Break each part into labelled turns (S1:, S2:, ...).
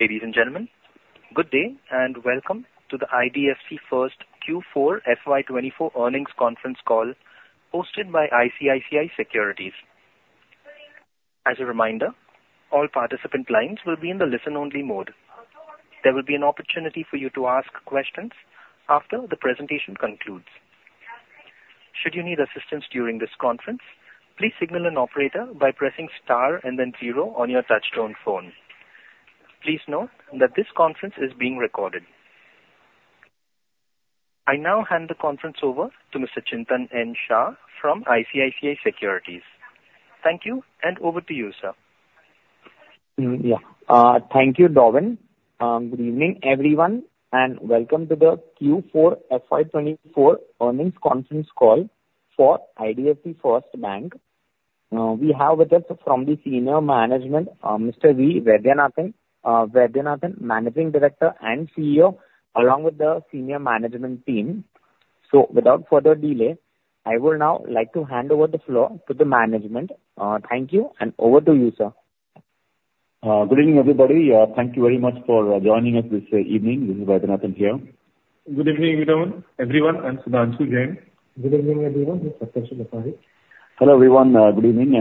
S1: Ladies and gentlemen, good day and welcome to the IDFC First Q4 FY24 earnings conference call hosted by ICICI Securities. As a reminder, all participant lines will be in the listen-only mode. There will be an opportunity for you to ask questions after the presentation concludes. Should you need assistance during this conference, please signal an operator by pressing star and then 0 on your touch-tone phone. Please note that this conference is being recorded. I now hand the conference over to Mr. Chintan N. Shah from ICICI Securities. Thank you, and over to you, sir.
S2: Yeah. Thank you, Darleen. Good evening, everyone, and welcome to the Q4 FY24 earnings conference call for IDFC First Bank. We have with us from the senior management, Mr. V. Vaidyanathan, Managing Director and CEO, along with the senior management team. So without further delay, I would now like to hand over the floor to the management. Thank you, and over to you, sir.
S3: Good evening, everybody. Thank you very much for joining us this evening. This is Vaidyanathan here.
S4: Good evening, everyone. I'm Sudhanshu Jain.
S5: Good evening, everyone. This is Saptarshi Bapari.
S3: Hello, everyone. Good evening.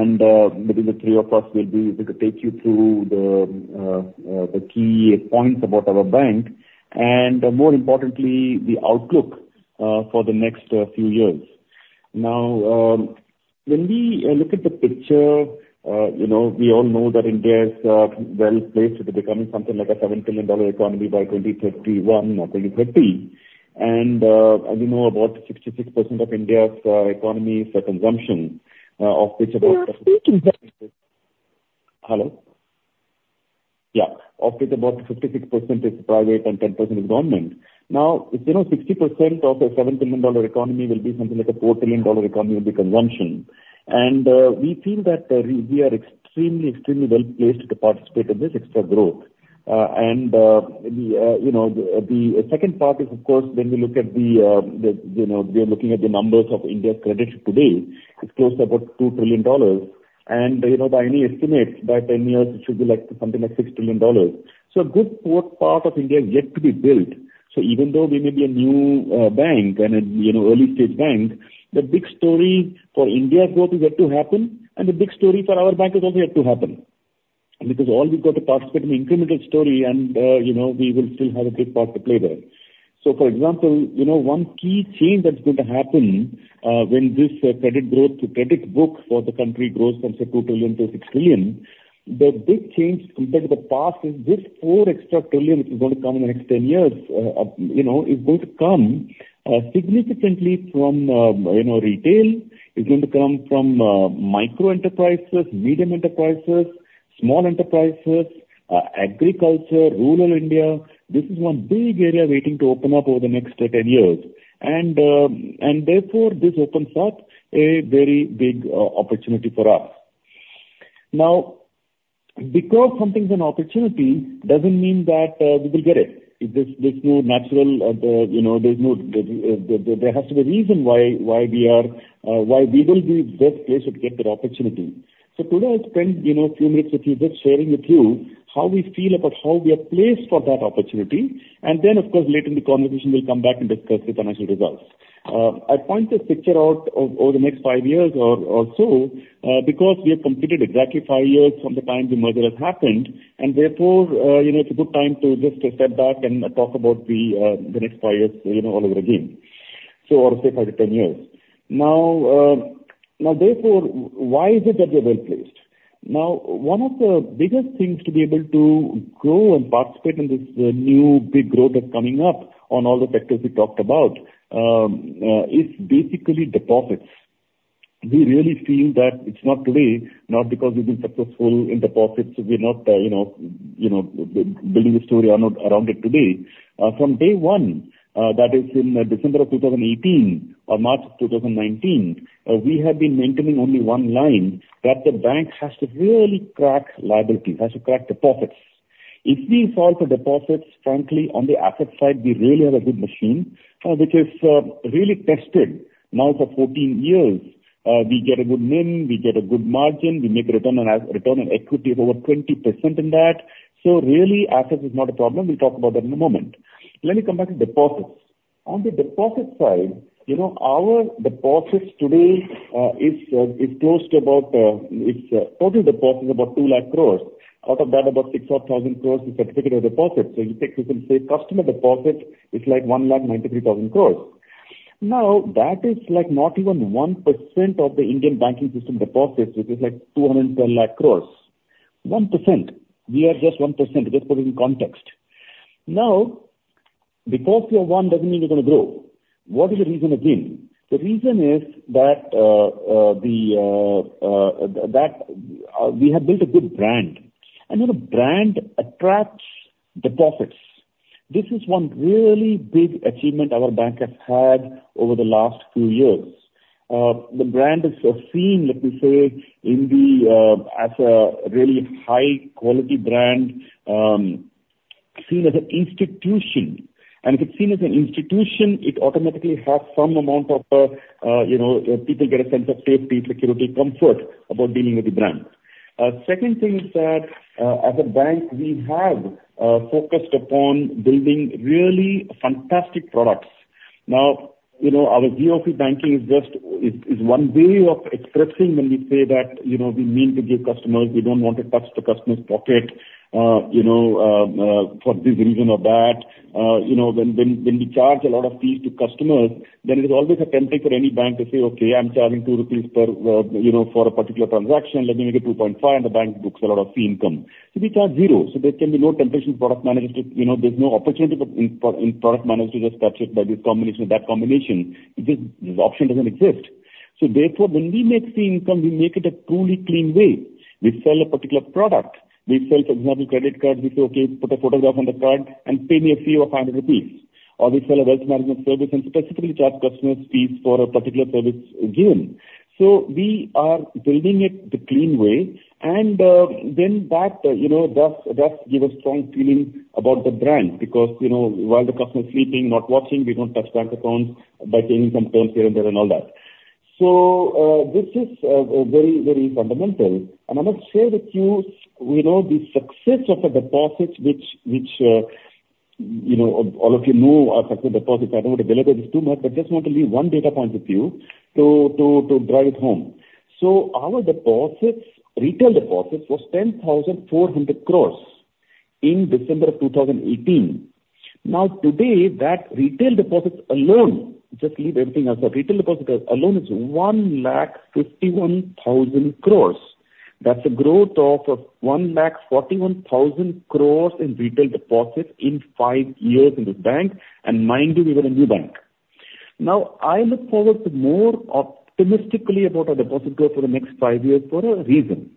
S3: Between the three of us, we'll be able to take you through the key points about our bank and, more importantly, the outlook for the next few years. Now, when we look at the picture, we all know that India is well placed to becoming something like a $7 trillion economy by 2030. As you know, about 66% of India's economy is consumption, of which about.
S6: You're speaking that.
S3: Hello? Yeah. Of which about 56% is private and 10% is government. Now, 60% of a $7 trillion economy will be something like a $4 trillion economy will be consumption. And we feel that we are extremely, extremely well placed to participate in this extra growth. And the second part is, of course, when we look at the numbers of India's credit today. It's close to about $2 trillion. And by any estimate, by 10 years, it should be something like $6 trillion. So a good part of India is yet to be built. So even though we may be a new bank and an early-stage bank, the big story for India's growth is yet to happen, and the big story for our bank is also yet to happen because all we've got to participate in the incremental story, and we will still have a big part to play there. So for example, one key change that's going to happen when this credit growth, credit book for the country grows from, say, two trillion to six trillion, the big change compared to the past is this four trillion which is going to come in the next 10 years is going to come significantly from retail, is going to come from micro enterprises, medium enterprises, small enterprises, agriculture, rural India. This is one big area waiting to open up over the next 10 years. Therefore, this opens up a very big opportunity for us. Now, because something's an opportunity doesn't mean that we will get it. There's no natural. There has to be a reason why we will be best placed to get that opportunity. So today, I'll spend a few minutes with you just sharing with you how we feel about how we are placed for that opportunity. And then, of course, later in the conversation, we'll come back and discuss the financial results. I point this picture out over the next five years or so because we have completed exactly 5 years from the time the merger has happened. And therefore, it's a good time to just step back and talk about the next five years all over again, or say 5-10 years. Now, therefore, why is it that we are well placed? Now, one of the biggest things to be able to grow and participate in this new big growth that's coming up on all the sectors we talked about is basically deposits. We really feel that it's not today, not because we've been successful in deposits. We're not building a story around it today. From day one, that is in December of 2018 or March of 2019, we have been maintaining only one line that the bank has to really crack liabilities, has to crack deposits. If we solve the deposits, frankly, on the asset side, we really have a good machine which is really tested now for 14 years. We get a good NIM. We get a good margin. We make a return on equity of over 20% in that. So really, assets is not a problem. We'll talk about that in a moment. Let me come back to deposits. On the deposit side, our deposits today is close to about total deposits about 200,000 crore. Out of that, about 6,000 or 7,000 crore is certificate of deposits. So you can say customer deposit is like 193,000 crore. Now, that is not even 1% of the Indian banking system deposits, which is like 21,000,000 crore. 1%. We are just 1%. We're just putting in context. Now, deposit of one doesn't mean you're going to grow. What is the reason again? The reason is that we have built a good brand. And a brand attracts deposits. This is one really big achievement our bank has had over the last few years. The brand is seen, let me say, as a really high-quality brand, seen as an institution. If it's seen as an institution, it automatically has some amount of people get a sense of safety, security, comfort about dealing with the brand. Second thing is that as a bank, we have focused upon building really fantastic products. Now, our Zero Fee banking is just one way of expressing when we say that we mean to give customers we don't want to touch the customer's pocket for this reason or that. When we charge a lot of fees to customers, then it is always a temptation for any bank to say, "Okay, I'm charging 2 rupees for a particular transaction. Let me make it 2.5," and the bank books a lot of fee income. We charge zero. There can be no temptation for product managers to. There's no opportunity for product managers to just touch it by this combination or that combination. This option doesn't exist. So therefore, when we make fee income, we make it a truly clean way. We sell a particular product. We sell, for example, credit cards. We say, "Okay, put a photograph on the card and pay me a fee of 500 rupees." Or we sell a wealth management service and specifically charge customers fees for a particular service again. So we are building it the clean way. And then that does give a strong feeling about the brand because while the customer is sleeping, not watching, we don't touch bank accounts by changing some terms here and there and all that. So this is very, very fundamental. And I must share with you the success of the deposits, which all of you know are successful deposits. I don't want to deliver this too much, but just want to leave one data point with you to drive it home. So our retail deposits were 10,400 crore in December of 2018. Now, today, that retail deposits alone just leave everything else. So retail deposits alone is 151,000 crore. That's a growth of 141,000 crore in retail deposits in five years in this bank. And mind you, we were a new bank. Now, I look forward to more optimistically about our deposit growth for the next five years for a reason.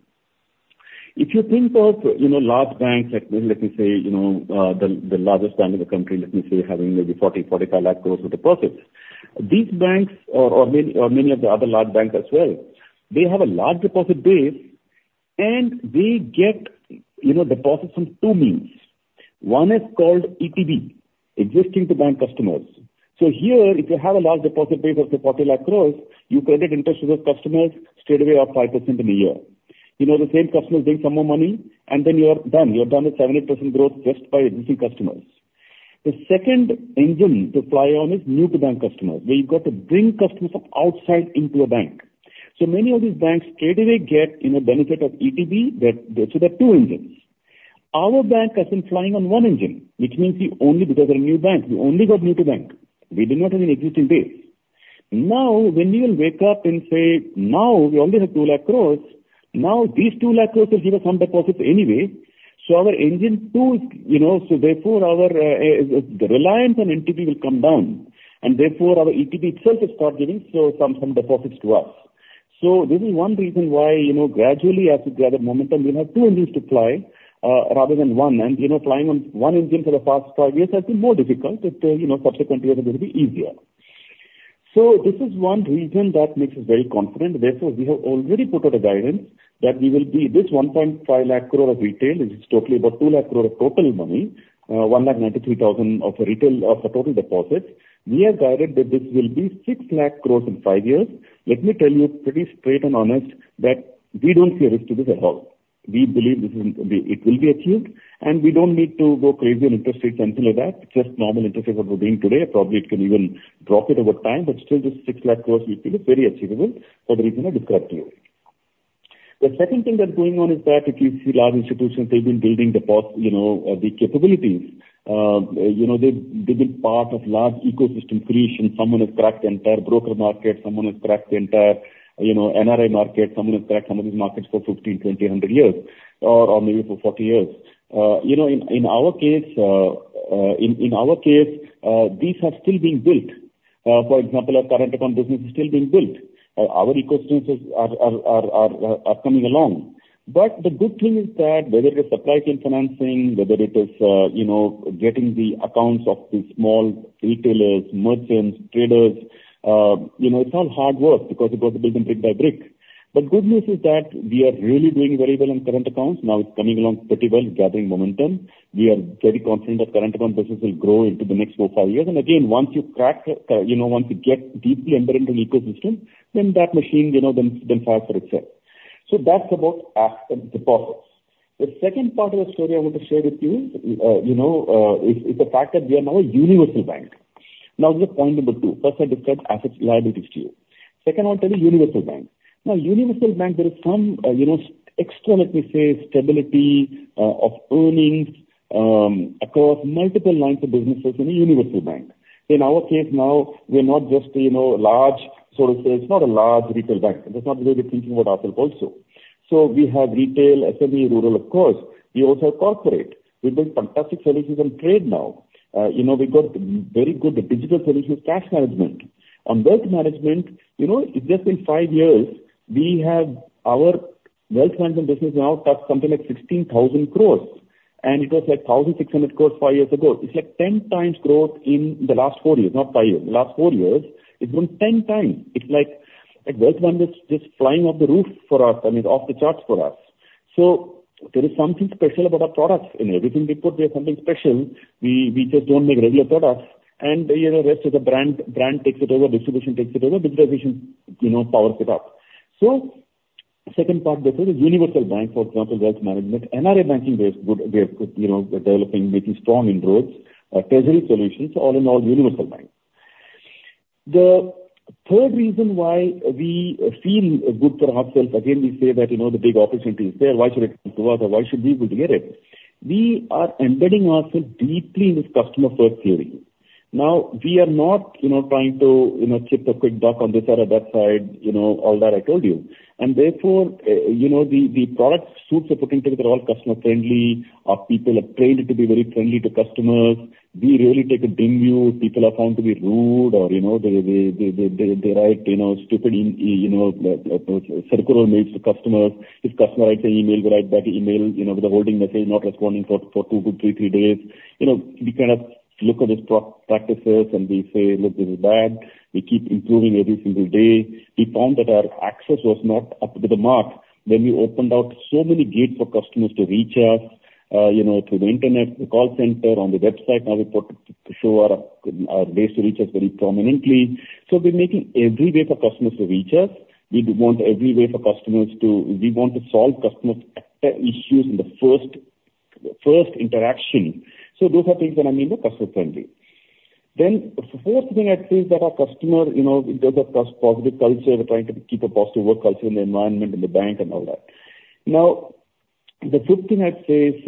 S3: If you think of large banks like, let me say, the largest bank in the country, let me say, having maybe 4,000,000 crore-4,500,000 crore of deposits, these banks or many of the other large banks as well, they have a large deposit base, and they get deposits from two means. One is called ETB, existing-to-bank customers. So here, if you have a large deposit base of, say, 4,000,000 crore, you credit interest to those customers straightaway of 5% in a year. The same customers bring some more money, and then you're done. You're done with 70% growth just by existing customers. The second engine to fly on is new-to-bank customers, where you've got to bring customers from outside into a bank. So many of these banks straightaway get a benefit of ETB. So they have two engines. Our bank has been flying on one engine, which means we only because we're a new bank, we only got new-to-bank. We did not have an existing base. Now, when you will wake up and say, "Now, we only have 200,000 crore. Now, these 200,000 crore will give us some deposits anyway." So our engine too is so therefore, the reliance on NTB will come down. Therefore, our ETB itself will start giving some deposits to us. This is one reason why gradually, as we gather momentum, we'll have two engines to fly rather than one. Flying on one engine for the past five years has been more difficult. Subsequent years, it will be easier. This is one reason that makes us very confident. Therefore, we have already put out a guidance that we will be this 150,000 crore of retail is totally about 200,000 crore of total money, 193,000 crore of total deposits. We have guided that this will be 600,000 crore in five years. Let me tell you pretty straight and honest that we don't see a risk to this at all. We believe it will be achieved. And we don't need to go crazy on interest rates and things like that. Just normal interest rates would be today. Probably, it can even drop it over time. But still, this 600,000 crore will be very achievable for the reason I described to you. The second thing that's going on is that if you see large institutions, they've been building the capabilities. They've been part of large ecosystem creation. Someone has cracked the entire broker market. Someone has cracked the entire NRI market. Someone has cracked some of these markets for 15, 20, 100 years, or maybe for 40 years. In our case, in our case, these have still been built. For example, our current account business is still being built. Our ecosystems are coming along. But the good thing is that whether it is supply chain financing, whether it is getting the accounts of the small retailers, merchants, traders, it's all hard work because it's got to be built brick by brick. But good news is that we are really doing very well on current accounts. Now, it's coming along pretty well, gathering momentum. We are very confident that current account business will grow into the next 4-5 years. And again, once you crack once you get deeply embedded in the ecosystem, then that machine then fires for itself. So that's about deposits. The second part of the story I want to share with you is it's the fact that we are now a universal bank. Now, this is point number 2. First, I described assets, liabilities to you. Second, I want to tell you, universal bank. Now, universal bank, there is some extra, let me say, stability of earnings across multiple lines of businesses in a universal bank. In our case now, we're not just a large sort of it's not a large retail bank. That's not the way we're thinking about ourselves also. So we have retail, SME, rural, of course. We also have corporate. We build fantastic services and trade now. We've got very good digital services, cash management. On wealth management, it's just been five years. We have our wealth management business now touched something like 16,000 crore. And it was like 1,600 crore five years ago. It's like 10 times growth in the last four years, not five years. The last four years, it's grown 10 times. It's like wealth management is just flying off the roof for us. I mean, off the charts for us. So there is something special about our products. In everything we put, there's something special. We just don't make regular products. The rest is a brand. Brand takes it over. Distribution takes it over. Digitization powers it up. So second part, therefore, is universal bank, for example, wealth management. NRI banking, we are developing, making strong inroads, treasury solutions. All in all, universal bank. The third reason why we feel good for ourselves again, we say that the big opportunity is there. Why should it come to us, or why should we be able to get it? We are embedding ourselves deeply in this customer-first theory. Now, we are not trying to make a quick buck on this side or that side, all that I told you. Therefore, the product suites are putting together all customer-friendly. Our people are trained to be very friendly to customers. We really take a dim view. People are found to be rude, or they write stupid circular mails to customers. If customer writes an email, we write back an email with a holding message, not responding for two, three, three days. We kind of look at these practices, and we say, "Look, this is bad." We keep improving every single day. We found that our access was not up to the mark. Then we opened out so many gates for customers to reach us through the internet, the call center, on the website. Now, we show our ways to reach us very prominently. So we're making every way for customers to reach us. We want every way for customers to solve customers' issues in the first interaction. So those are things that I mean by customer-friendly. Then the fourth thing I'd say is that our customer does have a positive culture. We're trying to keep a positive work culture in the environment, in the bank, and all that. Now, the fifth thing I'd say is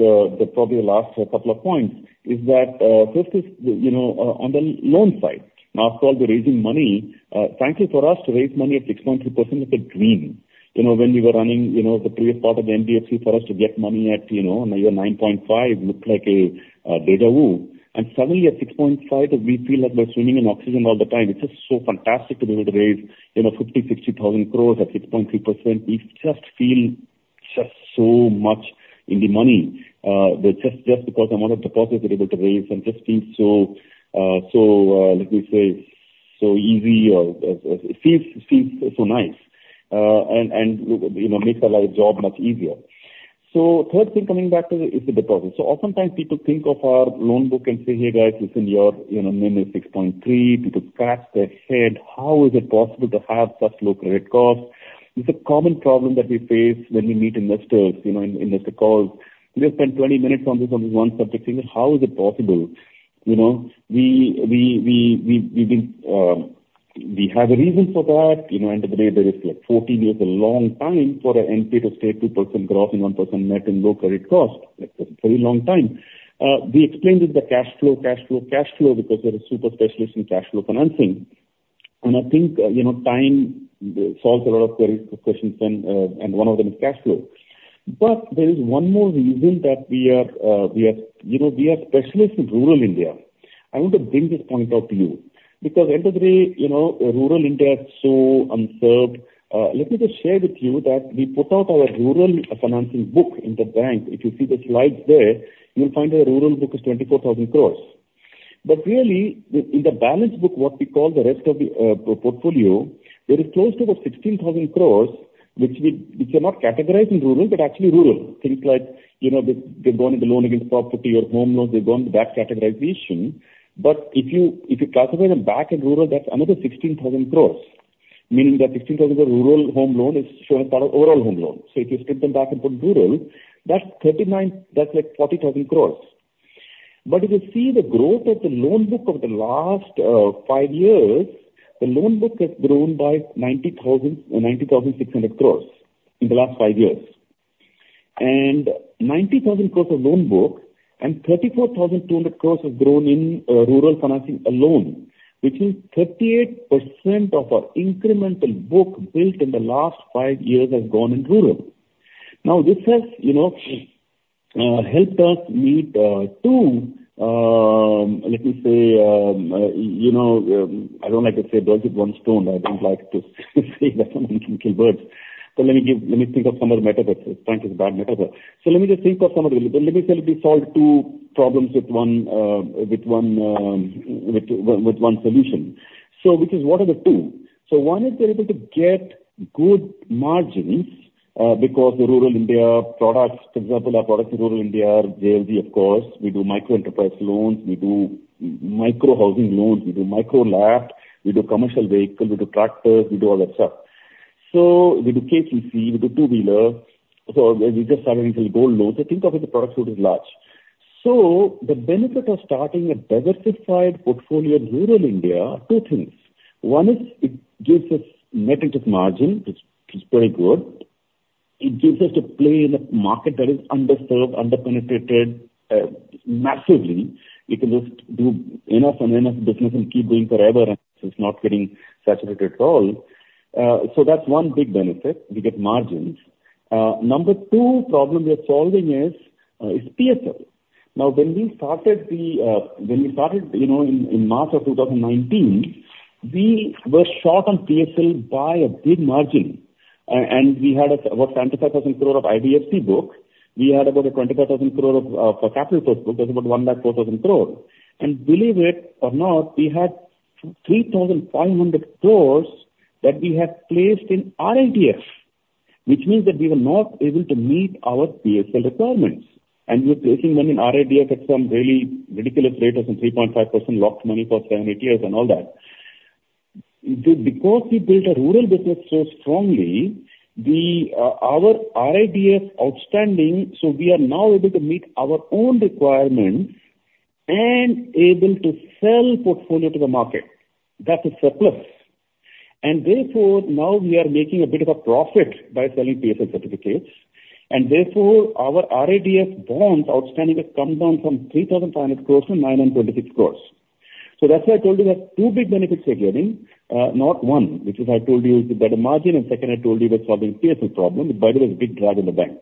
S3: probably the last couple of points is that first is on the loan side. Now, after all, we're raising money. Frankly, for us to raise money at 6.3% is a dream. When we were running the previous part of the IDFC, for us to get money at 9.5% looked like a déjà vu. And suddenly, at 6.5%, we feel like we're swimming in oxygen all the time. It's just so fantastic to be able to raise 50,000 crore-60,000 crore at 6.3%. We just feel just so much in the money just because the amount of deposits we're able to raise and just feel so, let me say, so easy. It feels so nice and makes our job much easier. So third thing coming back to is the deposits. So oftentimes, people think of our loan book and say, "Hey, guys, listen, your NIM is 6.3%." People scratch their head. How is it possible to have such low credit costs? It's a common problem that we face when we meet investors, investor calls. We just spend 20 minutes on this one subject saying, "How is it possible?" We have a reason for that. End of the day, there is like 14 years, a long time for an NPA to stay 2% gross and 1% net in low credit cost. It's a very long time. We explain this by cash flow, cash flow, cash flow because we're a super specialist in cash flow financing. And I think time solves a lot of questions, and one of them is cash flow. But there is one more reason that we are we are specialists in rural India. I want to bring this point out to you because end of the day, rural India is so unserved. Let me just share with you that we put out our rural financing book in the bank. If you see the slides there, you'll find our rural book is 24,000 crores. But really, in the balance book, what we call the rest of the portfolio, there is close to about 16,000 crores, which we cannot categorize in rural but actually rural. Things like they've gone into loan against property or home loans. They've gone to that categorization. But if you classify them back in rural, that's another 16,000 crores, meaning that 16,000 crores for rural home loan is showing as part of overall home loan. So if you strip them back and put rural, that's like 40,000 crore. But if you see the growth of the loan book over the last five years, the loan book has grown by 90,600 crore in the last five years. And 90,000 crore of loan book and 34,200 crore have grown in rural financing alone, which means 38% of our incremental book built in the last five years has gone in rural. Now, this has helped us meet two, let me say I don't like to say birds with one stone. I don't like to say that someone can kill birds. But let me think of some other metaphor. Frankly, it's a bad metaphor. So let me just think of some other let me say we solved two problems with one solution, which is what are the two? So one is we're able to get good margins because the rural India products, for example, our products in rural India are JLG, of course. We do microenterprise loans. We do microhousing loans. We do micro LAP. We do commercial vehicle. We do tractors. We do all that stuff. So we do KCC. We do two-wheeler. So we just started into gold loans. So think of it as a product suite is large. So the benefit of starting a diversified portfolio in rural India, two things. One is it gives us net interest margin, which is very good. It gives us to play in a market that is underserved, underpenetrated massively. You can just do enough and enough business and keep going forever. It's not getting saturated at all. So that's one big benefit. We get margins. Number two problem we are solving is PSL. Now, when we started in March of 2019, we were short on PSL by a big margin. We had about 25,000 crore of IDFC book. We had about 25,000 crore for Capital First book. That's about 104,000 crore. And believe it or not, we had 3,500 crores that we had placed in RIDF, which means that we were not able to meet our PSL requirements. And we were placing money in RIDF at some really ridiculous rates of 3.5% locked money for 7-8 years, and all that. Because we built a rural business so strongly, our RIDF outstanding, so we are now able to meet our own requirements and able to sell portfolio to the market. That's a surplus. And therefore, now, we are making a bit of a profit by selling PSL certificates. Therefore, our RIDF bonds outstanding has come down from 3,500 crore to 926 crore. So that's why I told you there are two big benefits we're getting, not one, which is I told you that margin. And second, I told you we're solving the PSL problem, which, by the way, is a big drag in the bank.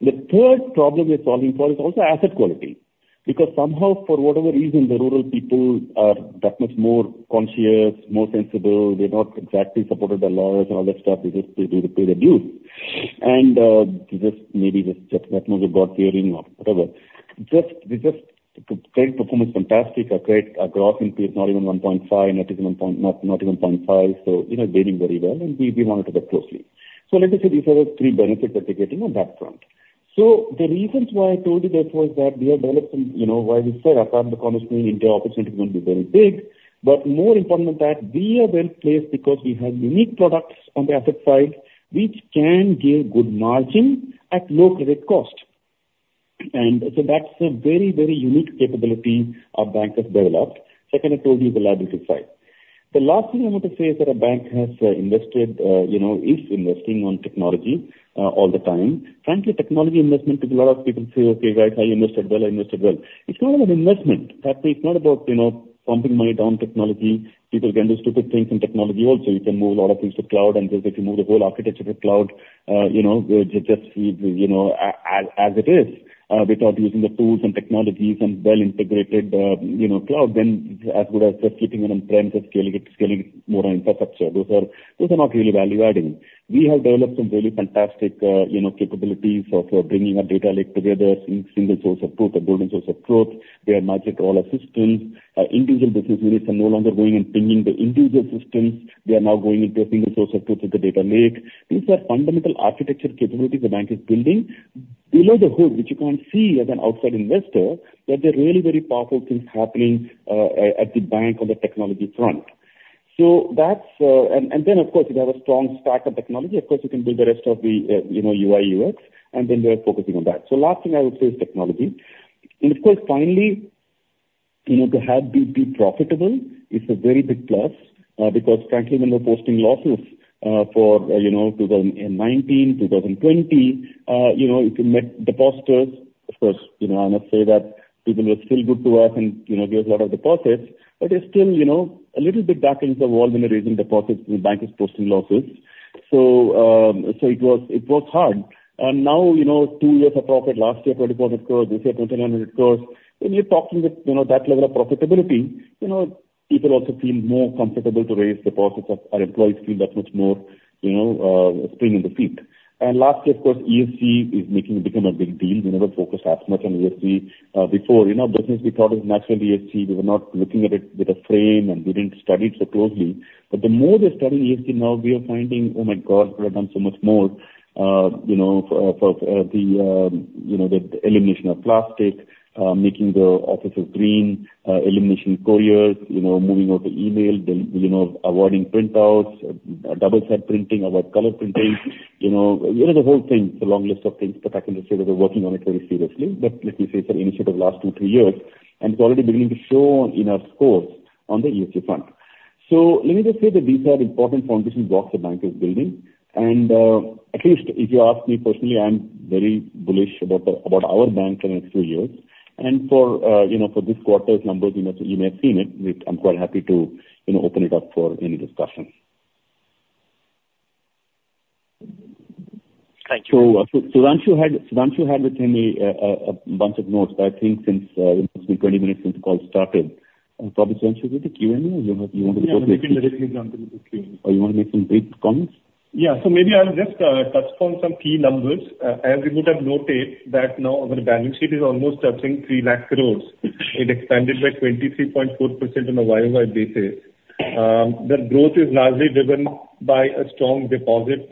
S3: The third problem we're solving for is also asset quality because somehow, for whatever reason, the rural people are that much more conscious, more sensible. They're not exactly supported by lawyers and all that stuff. They just pay their dues. And maybe just that much of God-fearing or whatever. We just credit performance is fantastic. Our growth in PSL is not even 1.5. Net is not even 0.5. So it's gaining very well. And we monitor that closely. So let me say these are the three benefits that we're getting on that front. So the reasons why I told you, therefore, is that we have developed some why we said apart from the commerce being India, opportunities are going to be very big. But more important than that, we are well placed because we have unique products on the asset side, which can give good margin at low credit cost. And so that's a very, very unique capability our bank has developed. Second, I told you the liability side. The last thing I want to say is that a bank has invested is investing on technology all the time. Frankly, technology investment because a lot of people say, "Okay, guys, I invested well. I invested well." It's not about investment. It's not about pumping money down technology. People can do stupid things in technology also. You can move a lot of things to cloud. If you move the whole architecture to cloud just as it is without using the tools and technologies and well-integrated cloud, then it is as good as just keeping it on-prem, just scaling it more on infrastructure. Those are not really value-adding. We have developed some really fantastic capabilities for bringing our data lake together in a single source of truth, a golden source of truth. They have multiple of systems, individual business units. They're no longer going and pinging the individual systems. They are now going into a single source of truth with the data lake. These are fundamental architecture capabilities the bank is building below the hood, which you can't see as an outside investor, that there are really very powerful things happening at the bank on the technology front. Then, of course, we have a strong stack of technology. Of course, you can build the rest of the UI/UX. And then we are focusing on that. So last thing I would say is technology. And of course, finally, to have been profitable is a very big plus because frankly, when we're posting losses for 2019, 2020, if you met depositors, of course, I must say that people were still good to us and gave a lot of deposits. But there's still a little bit backings of all when raising deposits, and the bank is posting losses. So it was hard. Now, two years of profit. Last year, 2,400 crore. This year, 2,900 crore. When you're talking with that level of profitability, people also feel more comfortable to raise deposits. Our employees feel that much more spring in the feet. Last year, of course, ESG is becoming a big deal. We never focused as much on ESG before. Business, we thought it was natural ESG. We were not looking at it with a frame, and we didn't study it so closely. But the more they're studying ESG now, we are finding, "Oh my God, we could have done so much more for the elimination of plastic, making the offices green, eliminating couriers, moving over email, avoiding printouts, double-sided printing, avoid color printing." The whole thing, it's a long list of things, but I can just say that we're working on it very seriously. But let me say it's an initiative last two, three years. And it's already beginning to show in our scores on the ESG front. So let me just say that these are important foundation blocks the bank is building. At least if you ask me personally, I'm very bullish about our bank for the next few years. For this quarter's numbers, you may have seen it. I'm quite happy to open it up for any discussion.
S2: Thank you.
S3: Sudhanshu had with him a bunch of notes. I think since it's been 20 minutes since the call started, probably Sudhanshu, is it a Q&A? You want to go to the Q&A?
S4: Yeah. Let me give you a quick example of the Q&A.
S3: Oh, you want to make some brief comments?
S4: Yeah. So maybe I'll just touch on some key numbers. As you would have noted, that now, our balance sheet is almost, I think, 300,000 crore. It expanded by 23.4% on a year-over-year basis. The growth is largely driven by a strong deposit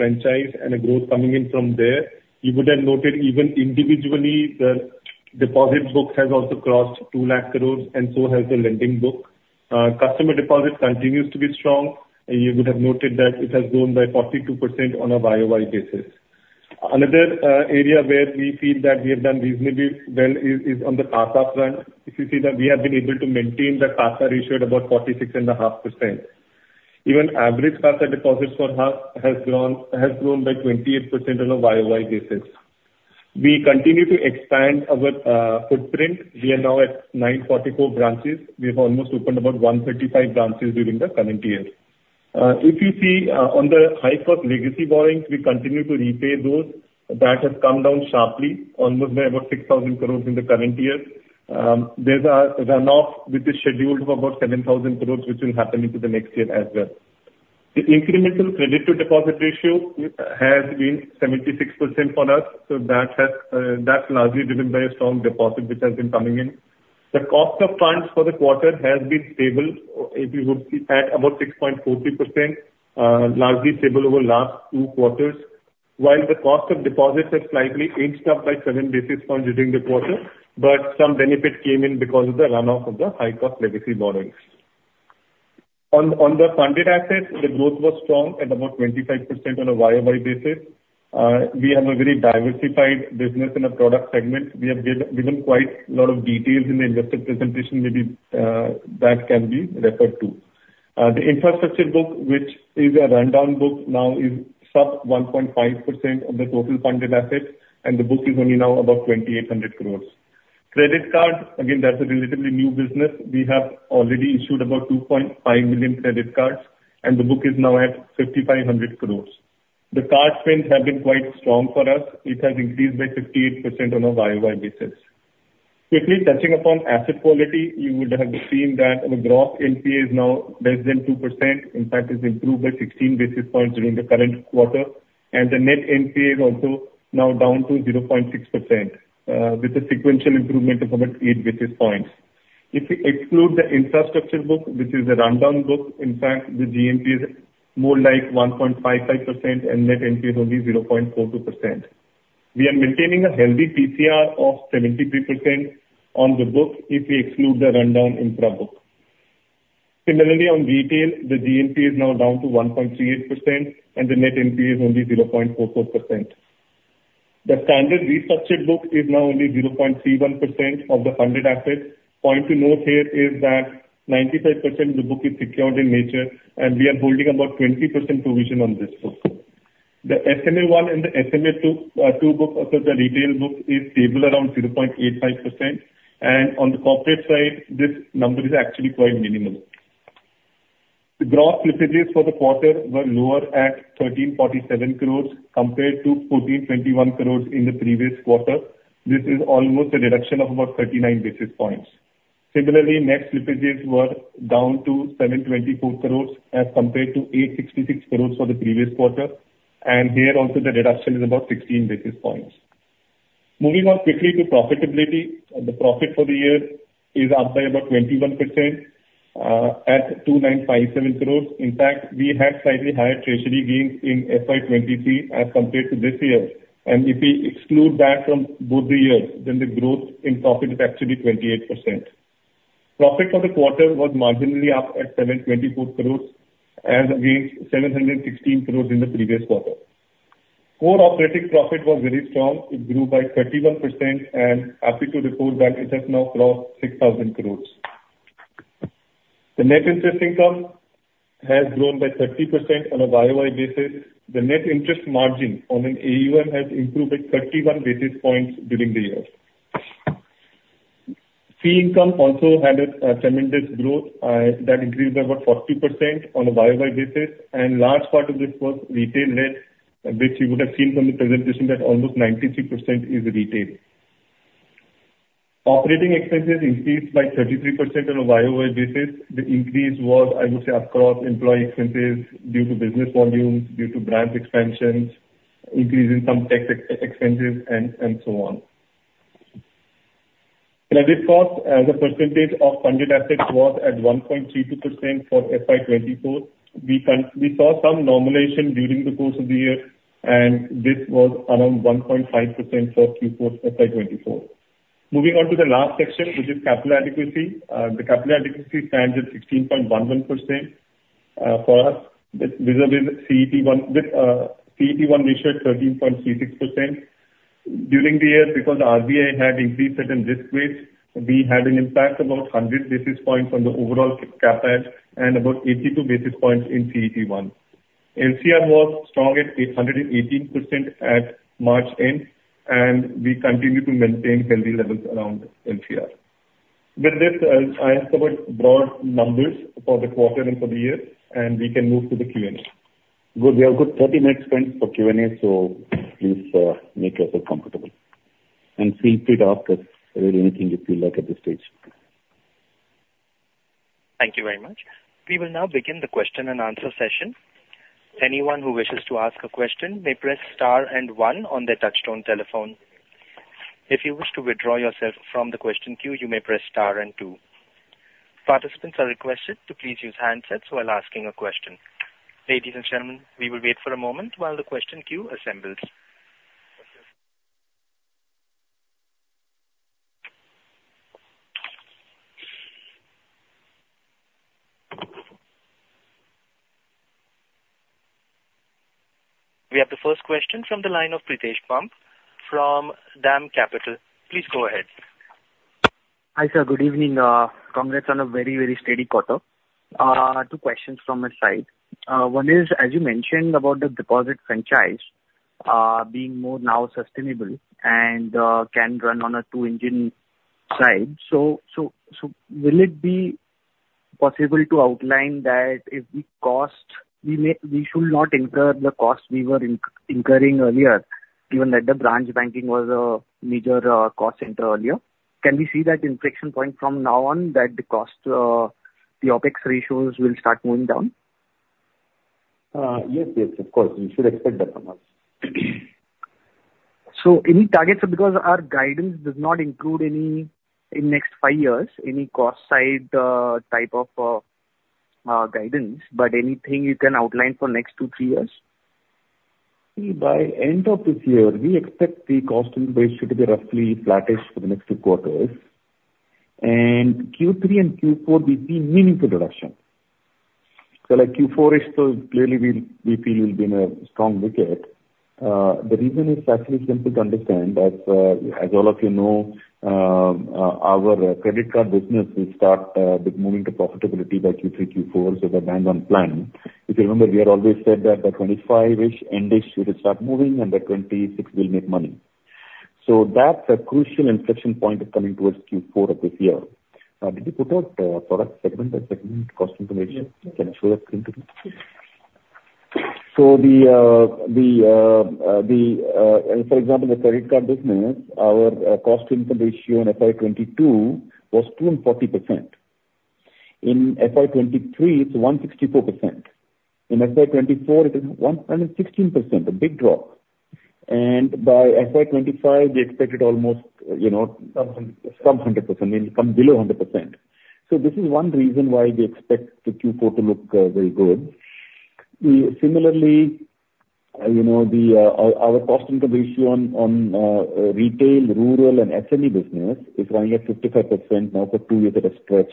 S4: franchise and a growth coming in from there. You would have noted even individually, the deposit book has also crossed 200,000 crore, and so has the lending book. Customer deposit continues to be strong. You would have noted that it has grown by 42% on a year-over-year basis. Another area where we feel that we have done reasonably well is on the CASA front. If you see that, we have been able to maintain the CASA ratio at about 46.5%. Even average CASA deposits for us has grown by 28% on a year-over-year basis. We continue to expand our footprint. We are now at 944 branches. We have almost opened about 135 branches during the current year. If you see on the high cost legacy borrowings, we continue to repay those. That has come down sharply, almost by about 6,000 crore in the current year. There's a runoff, which is scheduled for about 7,000 crore, which will happen into the next year as well. The incremental credit-to-deposit ratio has been 76% for us. So that's largely driven by a strong deposit, which has been coming in. The cost of funds for the quarter has been stable, if you would see, at about 6.43%, largely stable over the last two quarters. While the cost of deposits has slightly inched up by seven basis points during the quarter, but some benefit came in because of the runoff of the high cost legacy borrowings. On the funded assets, the growth was strong at about 25% on a year-by-year basis. We have a very diversified business in our product segment. We have given quite a lot of details in the investor presentation. Maybe that can be referred to. The infrastructure book, which is a rundown book now, is sub 1.5% of the total funded assets. The book is only now about 2,800 crore. Credit cards, again, that's a relatively new business. We have already issued about 2.5 million credit cards. The book is now at 5,500 crore. The card spend has been quite strong for us. It has increased by 58% on a year-by-year basis. Quickly touching upon asset quality, you would have seen that the gross NPA is now less than 2%. In fact, it's improved by 16 basis points during the current quarter. The net NPA is also now down to 0.6% with a sequential improvement of about 8 basis points. If we exclude the infrastructure book, which is a rundown book, in fact, the GNPA is more like 1.55%, and net NPA is only 0.42%. We are maintaining a healthy PCR of 73% on the book if we exclude the rundown infra book. Similarly, on retail, the GNPA is now down to 1.38%, and the net NPA is only 0.44%. The standard restructured book is now only 0.31% of the funded assets. Point to note here is that 95% of the book is secured in nature. We are holding about 20% provision on this book. The SMA-1 and the SMA-2 books, also the retail book, is stable around 0.85%. On the corporate side, this number is actually quite minimal. The gross slippages for the quarter were lower at 1,347 crores compared to 1,421 crores in the previous quarter. This is almost a reduction of about 39 basis points. Similarly, net slippages were down to 724 crores as compared to 866 crores for the previous quarter. Here, also, the reduction is about 16 basis points. Moving on quickly to profitability, the profit for the year is up by about 21% at 2,957 crores. In fact, we had slightly higher treasury gains in FY23 as compared to this year. And if we exclude that from both the years, then the growth in profit is actually 28%. Profit for the quarter was marginally up at 724 crores against 716 crores in the previous quarter. Core operating profit was very strong. It grew by 31%. Happy to report that it has now crossed 6,000 crores. The net interest income has grown by 30% on a year-over-year basis. The net interest margin on an AUM has improved by 31 basis points during the year. Fee income also had a tremendous growth that increased by about 40% on a year-over-year basis. Large part of this was retail-led, which you would have seen from the presentation that almost 93% is retail. Operating expenses increased by 33% on a year-over-year basis. The increase was, I would say, across employee expenses due to business volumes, due to branch expansions, increase in some tax expenses, and so on. Credit cost, as a percentage of funded assets, was at 1.32% for FY2024. We saw some normalization during the course of the year. This was around 1.5% for Q4 FY2024. Moving on to the last section, which is capital adequacy. The capital adequacy stands at 16.11% for us with a CET 1 with a CET 1 ratio at 13.36%. During the year, because the RBI had increased certain risk weights, we had an impact of about 100 basis points on the overall capital and about 82 basis points in CET 1. LCR was strong at 118% at March end. We continue to maintain healthy levels of LCR. With this, I have covered broad numbers for the quarter and for the year. We can move to the Q&A.
S3: We have a good 30 minutes spent for Q&A. Please make yourself comfortable. Feel free to ask us anything you feel like at this stage.
S2: Thank you very much. We will now begin the question-and-answer session. Anyone who wishes to ask a question may press star and one on their touch-tone telephone. If you wish to withdraw yourself from the question queue, you may press star and two. Participants are requested to please use handsets while asking a question. Ladies and gentlemen, we will wait for a moment while the question queue assembles. We have the first question from the line of Pritesh Bumb from DAM Capital. Please go ahead.
S7: Hi, sir. Good evening. Congrats on a very, very steady quarter. Two questions from my side. One is, as you mentioned, about the deposit franchise being more now sustainable and can run on a two-engine side. So will it be possible to outline that if we should not incur the cost we were incurring earlier, given that the branch banking was a major cost center earlier? Can we see that inflection point from now on, that the OPEX ratios will start moving down?
S3: Yes, yes, of course. You should expect that from us.
S7: So, any targets because our guidance does not include any in the next 5 years, any cost-side type of guidance. But anything you can outline for the next 2, 3 years?
S3: By the end of this year, we expect the cost-to-income ratio to be roughly flattish for the next two quarters. Q3 and Q4, we see meaningful reduction. Q4-ish, clearly, we feel will be in a strong wicket. The reason is actually simple to understand. As all of you know, our credit card business will start moving to profitability by Q3, Q4, so the bank's on planning. If you remember, we have always said that the 2025-ish end-ish will start moving, and the 2026 will make money. So that's a crucial inflection point coming towards Q4 of this year. Did you put out product segment by segment cost-to-income ratio? Can you show that screen to me? So for example, the credit card business, our cost-to-income ratio in FY22 was 240%. In FY23, it's 164%. In FY24, it is 116%, a big drop. By FY25, we expected almost. Some 100%. Some 100%. We'll come below 100%. So this is one reason why we expect Q4 to look very good. Similarly, our cost-to-income ratio on retail, rural, and SME business is running at 55% now for two years at a stretch.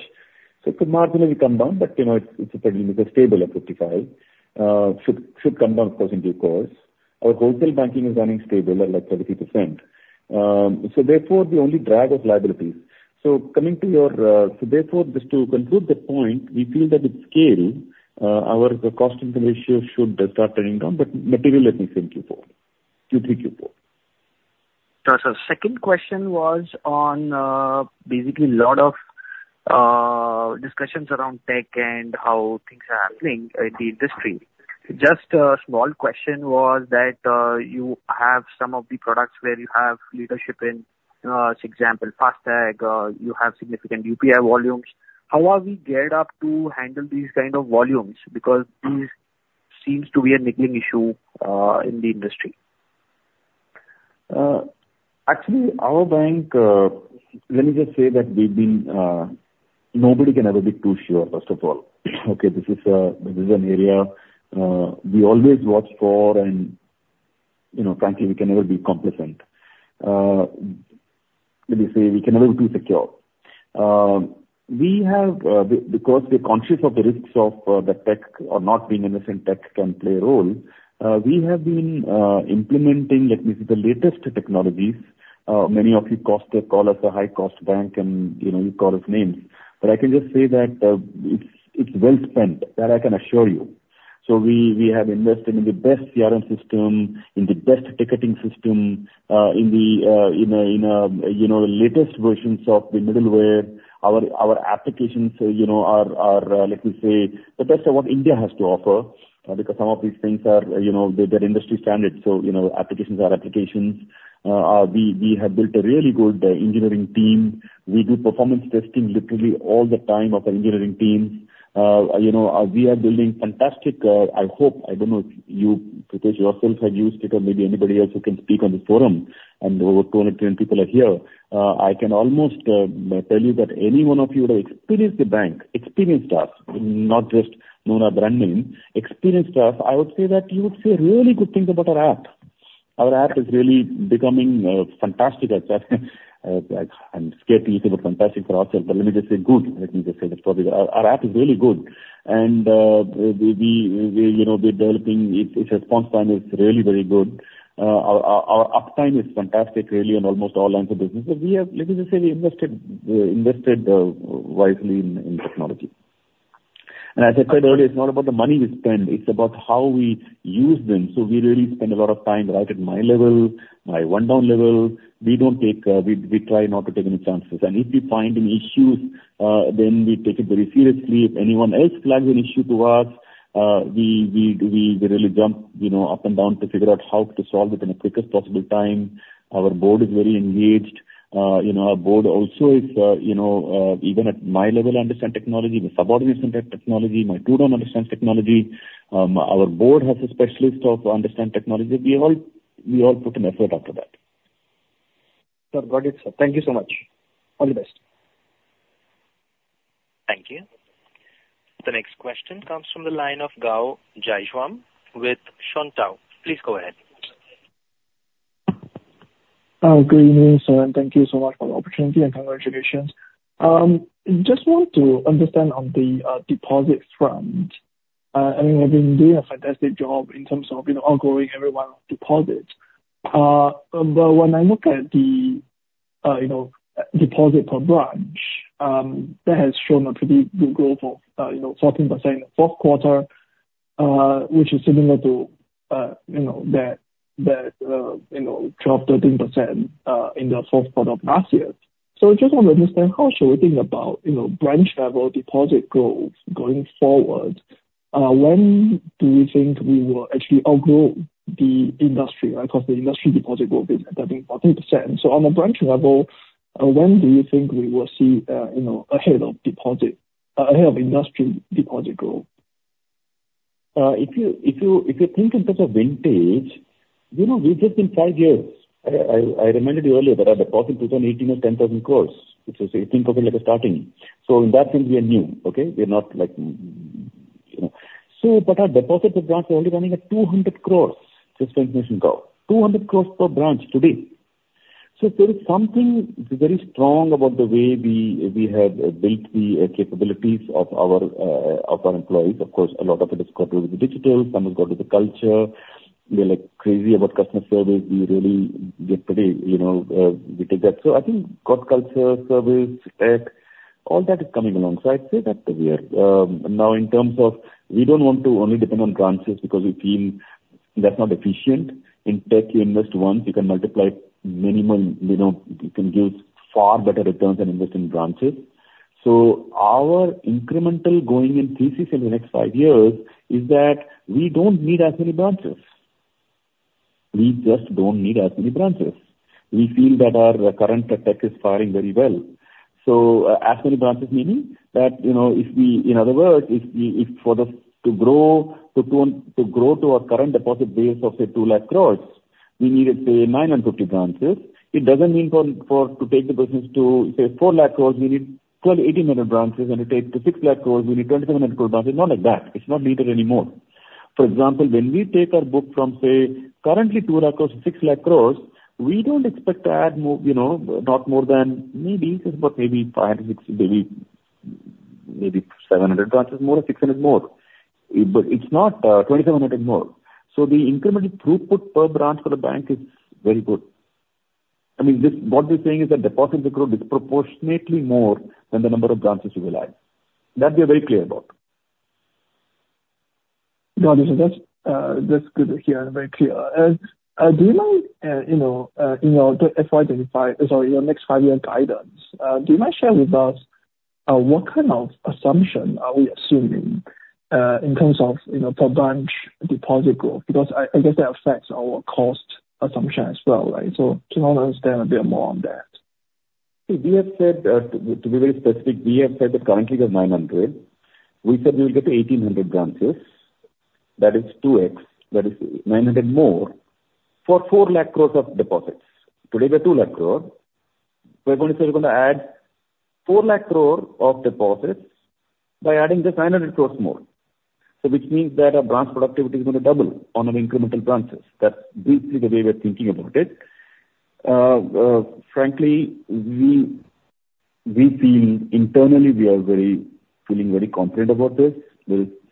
S3: So it could marginally come down, but it's a fairly stable at 55, should come down, of course, in due course. Our wholesale banking is running stable at 33%. So therefore, the only drag was liabilities. So coming to your so therefore, just to conclude the point, we feel that it's scale. Our cost-to-income ratio should start turning down. But material, let me say, in Q3, Q4.
S7: Sir, so the second question was on basically a lot of discussions around tech and how things are happening in the industry. Just a small question was that you have some of the products where you have leadership in, for example, FASTag. You have significant UPI volumes. How are we geared up to handle these kind of volumes? Because this seems to be a niggling issue in the industry.
S3: Actually, our bank, let me just say that nobody can ever be too sure, first of all. Okay? This is an area we always watch for. Frankly, we can never be complacent. Let me say, we can never be too secure. Because we're conscious of the risks of the tech or not being innocent, tech can play a role. We have been implementing, let me say, the latest technologies. Many of you call us a high-cost bank. You call us names. But I can just say that it's well spent, that I can assure you. So we have invested in the best CRM system, in the best ticketing system, in the latest versions of the middleware. Our applications are, let me say, the best of what India has to offer because some of these things, they're industry standards. So applications are applications. We have built a really good engineering team. We do performance testing literally all the time of our engineering teams. We are building fantastic, I hope. I don't know if you, Prithesh, yourself have used it, or maybe anybody else who can speak on this forum. Over 210 people are here. I can almost tell you that anyone of you who have experienced the bank, experienced us, not just known our brand name, experienced us. I would say that you would say really good things about our app. Our app is really becoming fantastic. I'm scared to use the word fantastic for ourselves. But let me just say good. Let me just say that our app is really good. And we're developing. Its response time is really very good. Our uptime is fantastic, really, on almost all lines of business. Let me just say we invested wisely in technology. And as I said earlier, it's not about the money we spend. It's about how we use them. So we really spend a lot of time right at my level, my rundown level. We try not to take any chances. And if we find any issues, then we take it very seriously. If anyone else flags an issue to us, we really jump up and down to figure out how to solve it in the quickest possible time. Our board is very engaged. Our board also is even at my level, I understand technology. My subordinates understand technology. My two-down understands technology. Our board has a specialist who understands technology. We all put an effort after that.
S7: Sir, got it, sir. Thank you so much. All the best.
S2: Thank you. The next question comes from the line of Gaurav Jaiswal with Prabhudas Lilladher. Please go ahead.
S8: Good evening, sir. And thank you so much for the opportunity. And congratulations. I just want to understand on the deposit front. I mean, they've been doing a fantastic job in terms of ongoing everyone deposit. But when I look at the deposit per branch, that has shown a pretty good growth of 14% in the fourth quarter, which is similar to that 12%-13% in the fourth quarter of last year. So I just want to understand, how should we think about branch-level deposit growth going forward? When do we think we will actually outgrow the industry? Because the industry deposit growth is at 13%-14%. So on a branch level, when do you think we will see ahead of deposit ahead of industry deposit growth?
S3: If you think in terms of vintage, we've just been five years. I reminded you earlier that our deposit in 2018 was INR 10,000 crore, which is, if you think of it like a starting. So in that sense, we are new. Okay? We are not like but our deposit per branch is only running at 200 crore, just for information, Gaurav, 200 crore per branch today. So there is something very strong about the way we have built the capabilities of our employees. Of course, a lot of it has got to do with the digital. Some has got to do with the culture. We are crazy about customer service. We really get pretty we take that. So I think core culture, service, tech, all that is coming along. So I'd say that's the way we are. Now, in terms of we don't want to only depend on branches because we feel that's not efficient. In tech, you invest once. You can multiply minimal. You can give far better returns than investing in branches. So our incremental going in thesis in the next five years is that we don't need as many branches. We just don't need as many branches. We feel that our current tech is firing very well. So as many branches, meaning that if we in other words, if for us to grow to our current deposit base of, say, 200,000 crore, we needed, say, 950 branches, it doesn't mean for to take the business to, say, 400,000 crore, we need 1,200, 1,800 branches. And to take to 600,000 crore, we need 2,700 branches. Not like that. It's not needed anymore. For example, when we take our book from, say, currently 200,000 crore to 600,000 crore, we don't expect to add not more than maybe just about maybe 500, 600, maybe 700 branches. More of 600 more. But it's not 2,700 more. So the incremental throughput per branch for the bank is very good. I mean, what we're saying is that deposits will grow disproportionately more than the number of branches you will add. That we are very clear about.
S8: Got it. So that's good to hear. Very clear. Do you mind in your FY25 sorry, your next five-year guidance, do you mind sharing with us what kind of assumption are we assuming in terms of per-branch deposit growth? Because I guess that affects our cost assumption as well. Right? So just want to understand a bit more on that.
S3: Okay. To be very specific, we have said that currently, we have 900. We said we will get to 1,800 branches. That is 2x. That is 900 more for 400,000 crore of deposits. Today, we have 200,000 crore. We're going to say we're going to add 400,000 crore of deposits by adding just 900 crore more, which means that our branch productivity is going to double on our incremental branches. That's basically the way we're thinking about it. Frankly, internally, we are feeling very confident about this.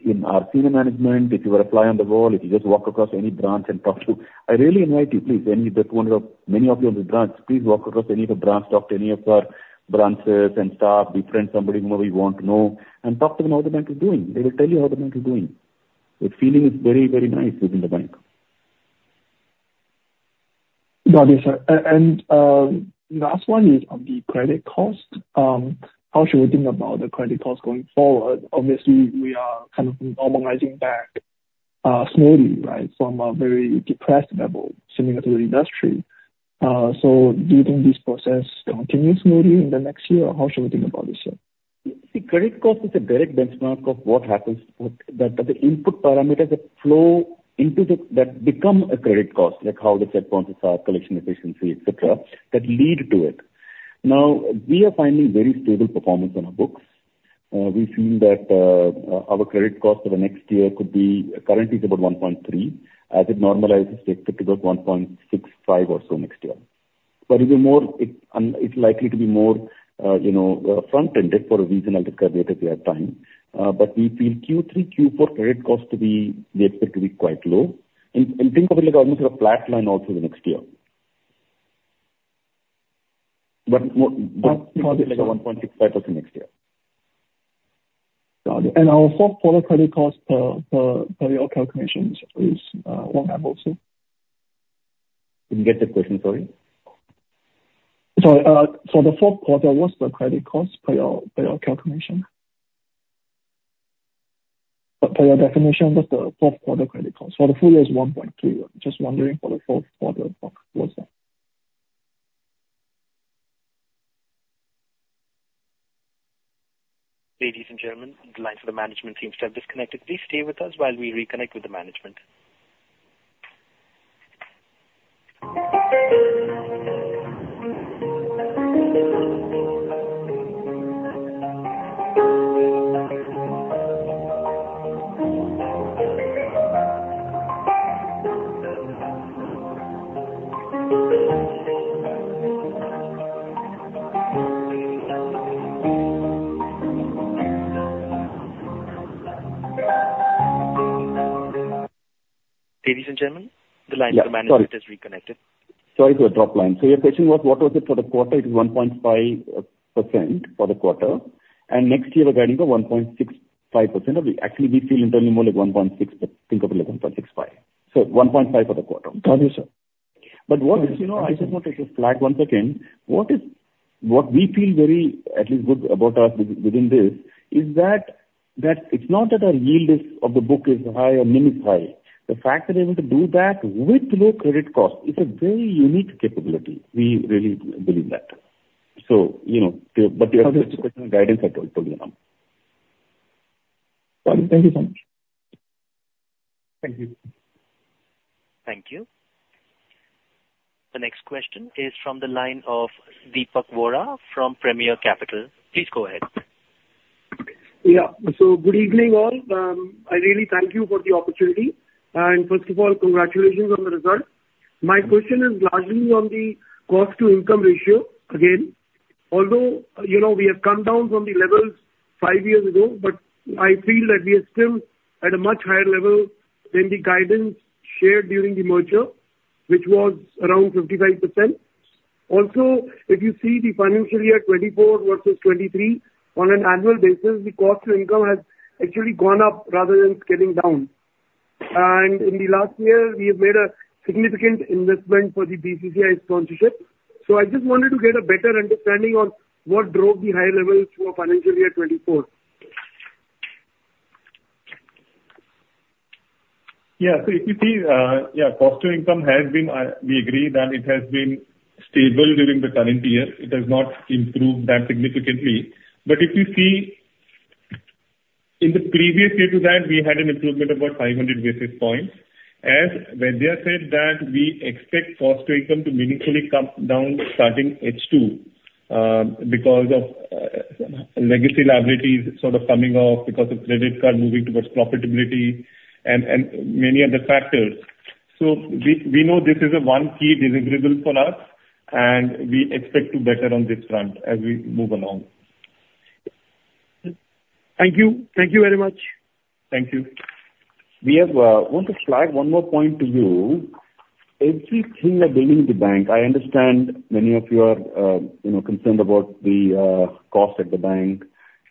S3: In our senior management, if you were a fly on the wall, if you just walk across any branch and talk to. I really invite you, please, any of the many of you on the branch. Please walk across any of the branch, talk to any of our branches and staff, befriend somebody whomever you want to know, and talk to them how the bank is doing. They will tell you how the bank is doing. The feeling is very, very nice within the bank.
S8: Got it, sir. And last one is on the credit cost. How should we think about the credit cost going forward? Obviously, we are kind of normalizing back slowly, right, from a very depressed level similar to the industry. So do you think this process continues slowly in the next year? Or how should we think about this year?
S3: See, credit cost is a direct benchmark of what happens, that the input parameters that flow into that become a credit cost, like how the set points are collection efficiency, etc., that lead to it. Now, we are finding very stable performance on our books. We feel that our credit cost for the next year could be currently is about 1.3%. As it normalizes, we expect to go to 1.65% or so next year. But it's likely to be more front-ended for a reason. I'll just get back to you at time. But we feel Q3, Q4 credit cost to be we expect to be quite low. And think of it like almost a flat line also the next year. But more probably like 1.65% next year.
S8: Got it. And our fourth-quarter credit cost per your calculations is 0.5 also?
S3: Didn't get the question. Sorry?
S8: Sorry. So the fourth quarter, what's the credit cost per your calculation? Per your definition, what's the fourth-quarter credit cost? For the full year, it's 1.3. Just wondering for the fourth quarter, what's that?
S2: Ladies and gentlemen, the lines for the management team have disconnected. Please stay with us while we reconnect with the management. Ladies and gentlemen, the lines for the management have reconnected.
S3: Sorry to drop line. So your question was, what was it for the quarter? It was 1.5% for the quarter. And next year, we're guiding for 1.65%. Actually, we feel internally more like 1.6, but think of it like 1.65. So 1.5 for the quarter.
S8: Got it, sir.
S3: But what I just want to just flag once again. What we feel very, at least, good about us within this is that it's not that our yield of the book is high or NIM is high. The fact that we're able to do that with low credit cost is a very unique capability. We really believe that. But your question and guidance, I told you enough.
S8: Got it. Thank you so much.
S4: Thank you.
S2: Thank you. The next question is from the line of Deepak Vohra from Premier Capital. Please go ahead.
S9: Yeah. So good evening, all. I really thank you for the opportunity. And first of all, congratulations on the result. My question is largely on the cost-to-income ratio, again, although we have come down from the levels five years ago. But I feel that we are still at a much higher level than the guidance shared during the merger, which was around 55%. Also, if you see the financial year 2024 versus 2023, on an annual basis, the cost-to-income has actually gone up rather than getting down. And in the last year, we have made a significant investment for the BCCI sponsorship. So I just wanted to get a better understanding on what drove the higher levels for financial year 2024.
S4: Yeah. So if you see, yeah, cost-to-income has been, we agree that it has been stable during the current year. It has not improved that significantly. But if you see, in the previous year to that, we had an improvement of about 500 basis points. And when they said that we expect cost-to-income to meaningfully come down starting H2 because of legacy liabilities sort of coming off because of credit card moving towards profitability and many other factors. So we know this is one key deliverable for us. And we expect to better on this front as we move along.
S9: Thank you. Thank you very much.
S4: Thank you.
S3: We wanted to flag one more point to you. Everything we're building in the bank. I understand many of you are concerned about the cost at the bank.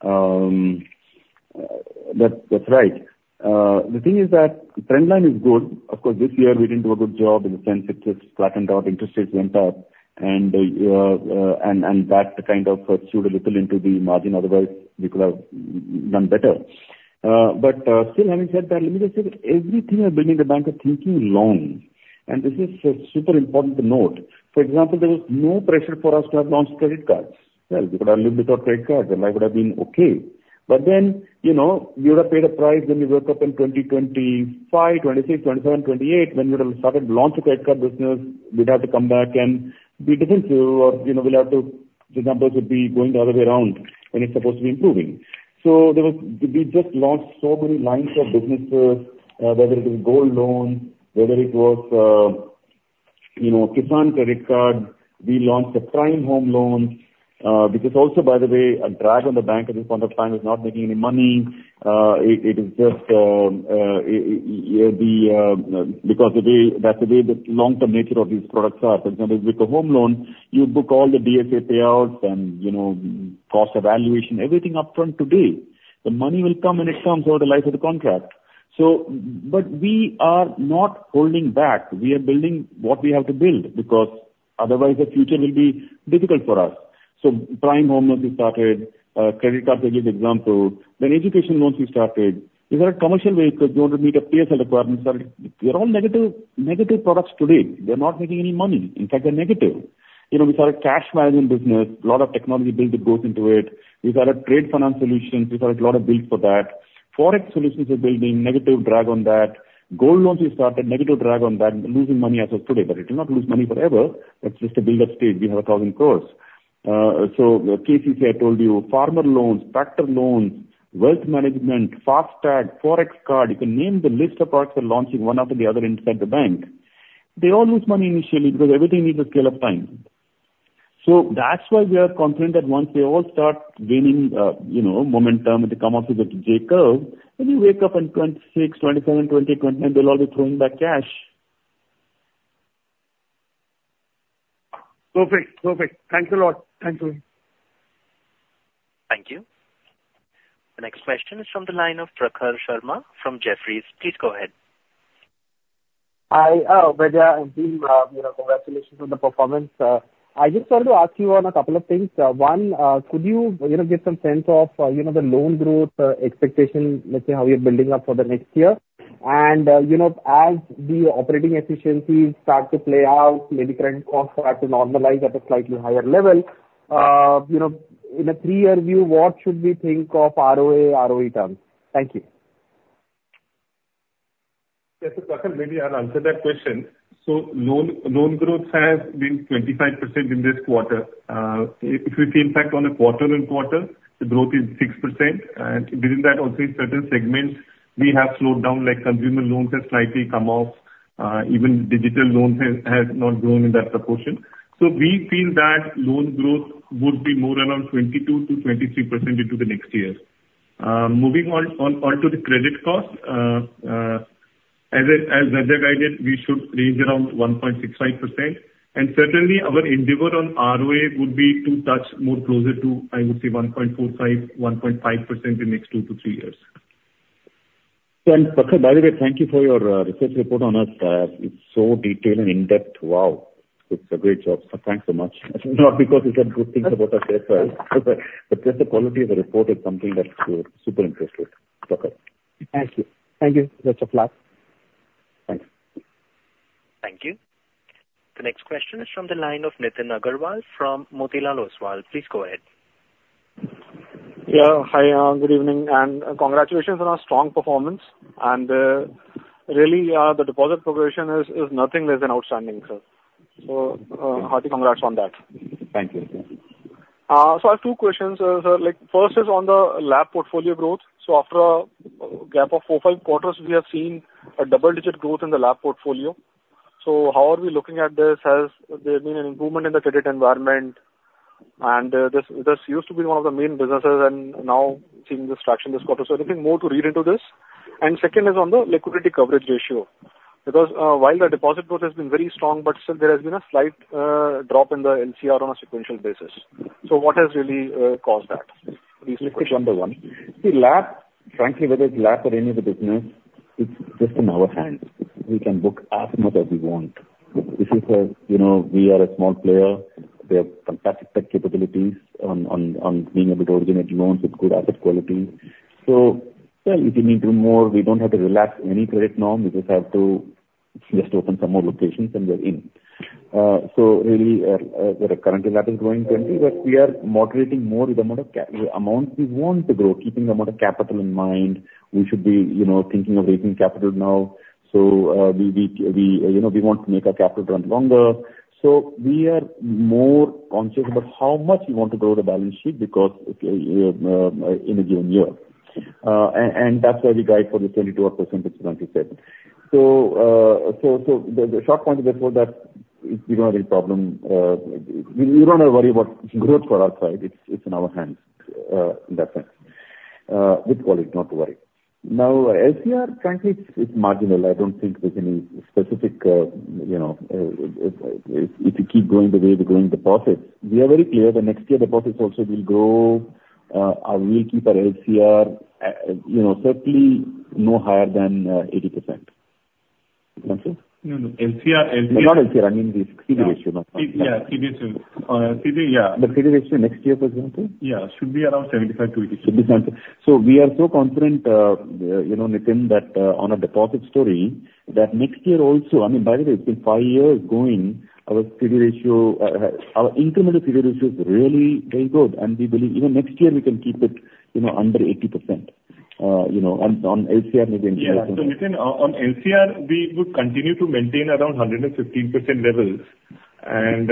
S3: That's right. The thing is that trendline is good. Of course, this year, we didn't do a good job in the sense it just flattened out. Interest rates went up. And that kind of suited a little into the margin. Otherwise, we could have done better. But still having said that, let me just say that everything we're building in the bank is thinking long. And this is a super important to note. For example, there was no pressure for us to have launched credit cards. Well, we could have lived without credit cards. Our life would have been okay. But then you would have paid a price when you woke up in 2025, 2026, 2027, 2028. When you started to launch a credit card business, we'd have to come back and be different to you. Or we'll have to the numbers would be going the other way around when it's supposed to be improving. So we just launched so many lines of businesses, whether it was gold loans, whether it was Kisan Credit Card. We launched a Prime Home Loan, which is also, by the way, a drag on the bank at this point of time. It's not making any money. It is just because that's the way the long-term nature of these products are. For example, with a home loan, you book all the DSA payouts and cost evaluation, everything upfront today. The money will come, and it comes over the life of the contract. But we are not holding back. We are building what we have to build because otherwise, the future will be difficult for us. So prime home loans we started. Credit cards, I gave the example. Then education loans we started. If you're a commercial vehicle, you want to meet a PSL requirement, we are all negative products today. They're not making any money. In fact, they're negative. We started cash management business, a lot of technology build that goes into it. We started trade finance solutions. We started a lot of builds for that. Forex solutions we're building, negative drag on that. Gold loans we started, negative drag on that, losing money as of today. But it will not lose money forever. It's just a build-up stage. We have 1,000 crore. KCC, I told you, farmer loans, tractor loans, wealth management, FASTag, Forex card, you can name the list of products we're launching one after the other inside the bank. They all lose money initially because everything needs a scale of time. So that's why we are concerned that once they all start gaining momentum and they come off with a J curve, when you wake up in 2026, 2027, 2020, 2029, they'll all be throwing back cash.
S9: Perfect. Perfect. Thanks a lot. Thank you.
S2: Thank you. The next question is from the line of Prakhar Sharma from Jefferies. Please go ahead.
S10: Hi. Oh, V. Vaidyanathan, and team, congratulations on the performance. I just wanted to ask you on a couple of things. One, could you give some sense of the loan growth expectation, let's say, how you're building up for the next year? And as the operating efficiencies start to play out, maybe credit costs start to normalize at a slightly higher level, in a three-year view, what should we think of ROA, ROE terms? Thank you.
S11: Yes, Prakash. Maybe I'll answer that question. So loan growth has been 25% in this quarter. If we see, in fact, on a quarter-on-quarter, the growth is 6%. And within that, also, in certain segments, we have slowed down. Consumer loans have slightly come off. Even digital loans have not grown in that proportion. So we feel that loan growth would be more around 22%-23% into the next year. Moving on to the credit cost, as Vaidya guided, we should range around 1.65%. And certainly, our endeavor on ROA would be to touch more closer to, I would say, 1.45%-1.5% in the next two to three years.
S3: Prakhar, by the way, thank you for your research report on us. It's so detailed and in-depth. Wow. It's a great job. Thanks so much. Not because you said good things about us as well. But just the quality of the report is something that's super interesting, Prakhar.
S10: Thank you. Thank you. That's a flag.
S3: Thanks.
S2: Thank you. The next question is from the line of Nitin Aggarwal from Motilal Oswal. Please go ahead.
S12: Yeah. Hi. Good evening. Congratulations on our strong performance. Really, the deposit progression is nothing less than outstanding, sir. Hearty congrats on that.
S3: Thank you.
S12: So I have two questions, sir. First is on the LAP portfolio growth. So after a gap of 4-5 quarters, we have seen a double-digit growth in the LAP portfolio. So how are we looking at this? Has there been an improvement in the credit environment? And this used to be one of the main businesses, and now seeing this traction this quarter. So anything more to read into this? And second is on the liquidity coverage ratio because while the deposit growth has been very strong, but still, there has been a slight drop in the LCR on a sequential basis. So what has really caused that?
S3: Let me take you on the one. See, LAP, frankly, whether it's LAP or any of the business, it's just in our hands. We can book as much as we want. This is where we are a small player. We have fantastic tech capabilities on being able to originate loans with good asset quality. So well, if you need to do more, we don't have to relax any credit norm. We just have to just open some more locations, and we're in. So really, the currently LAP is growing 20%. But we are moderating more the amount of amounts we want to grow, keeping the amount of capital in mind. We should be thinking of raising capital now. So we want to make our capital run longer. So we are more conscious about how much we want to grow the balance sheet in a given year. That's why we guide for the 22%, as Vaidyanathan said. The short point of this was that we don't have any problem. We don't have to worry about growth for our side. It's in our hands in that sense. Good quality, not to worry. Now, LCR, frankly, it's marginal. I don't think there's any specific if you keep going the way we're growing deposits, we are very clear that next year, deposits also will grow. We'll keep our LCR certainly no higher than 80%. Does that make sense?
S4: No, no. LCR, LCR.
S3: Not LCR. I mean the CD ratio.
S4: Yeah. CD ratio. CD, yeah.
S3: The CD ratio next year, for example?
S4: Yeah. Should be around 75-80.
S3: Should be 75. So we are so confident, Nitin, that on our deposit story, that next year also I mean, by the way, it's been five years going. Our incremental CD ratio is really very good. And we believe even next year, we can keep it under 80%. And on LCR, maybe incremental.
S4: Yeah. So Nitin, on LCR, we would continue to maintain around 115% levels. And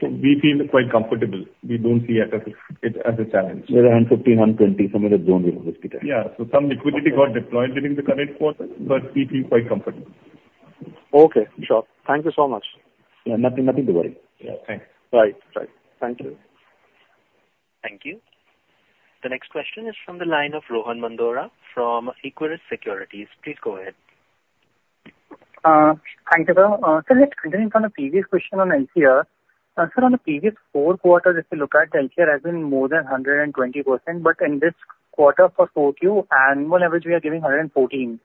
S4: so we feel quite comfortable. We don't see it as a challenge.
S3: Either 115, 120, somewhere in that zone we will be staying.
S4: Yeah. So some liquidity got deployed during the current quarter, but we feel quite comfortable.
S12: Okay. Sure. Thank you so much.
S3: Yeah. Nothing to worry.
S4: Yeah. Thanks.
S3: Right. Right. Thank you.
S2: Thank you. The next question is from the line of Rohan Mandora from Equirus Securities. Please go ahead.
S13: Thank you, sir. So just continuing from the previous question on LCR, sir, on the previous four quarters, if you look at, LCR has been more than 120%. But in this quarter for 4Q, annual average, we are giving 114%.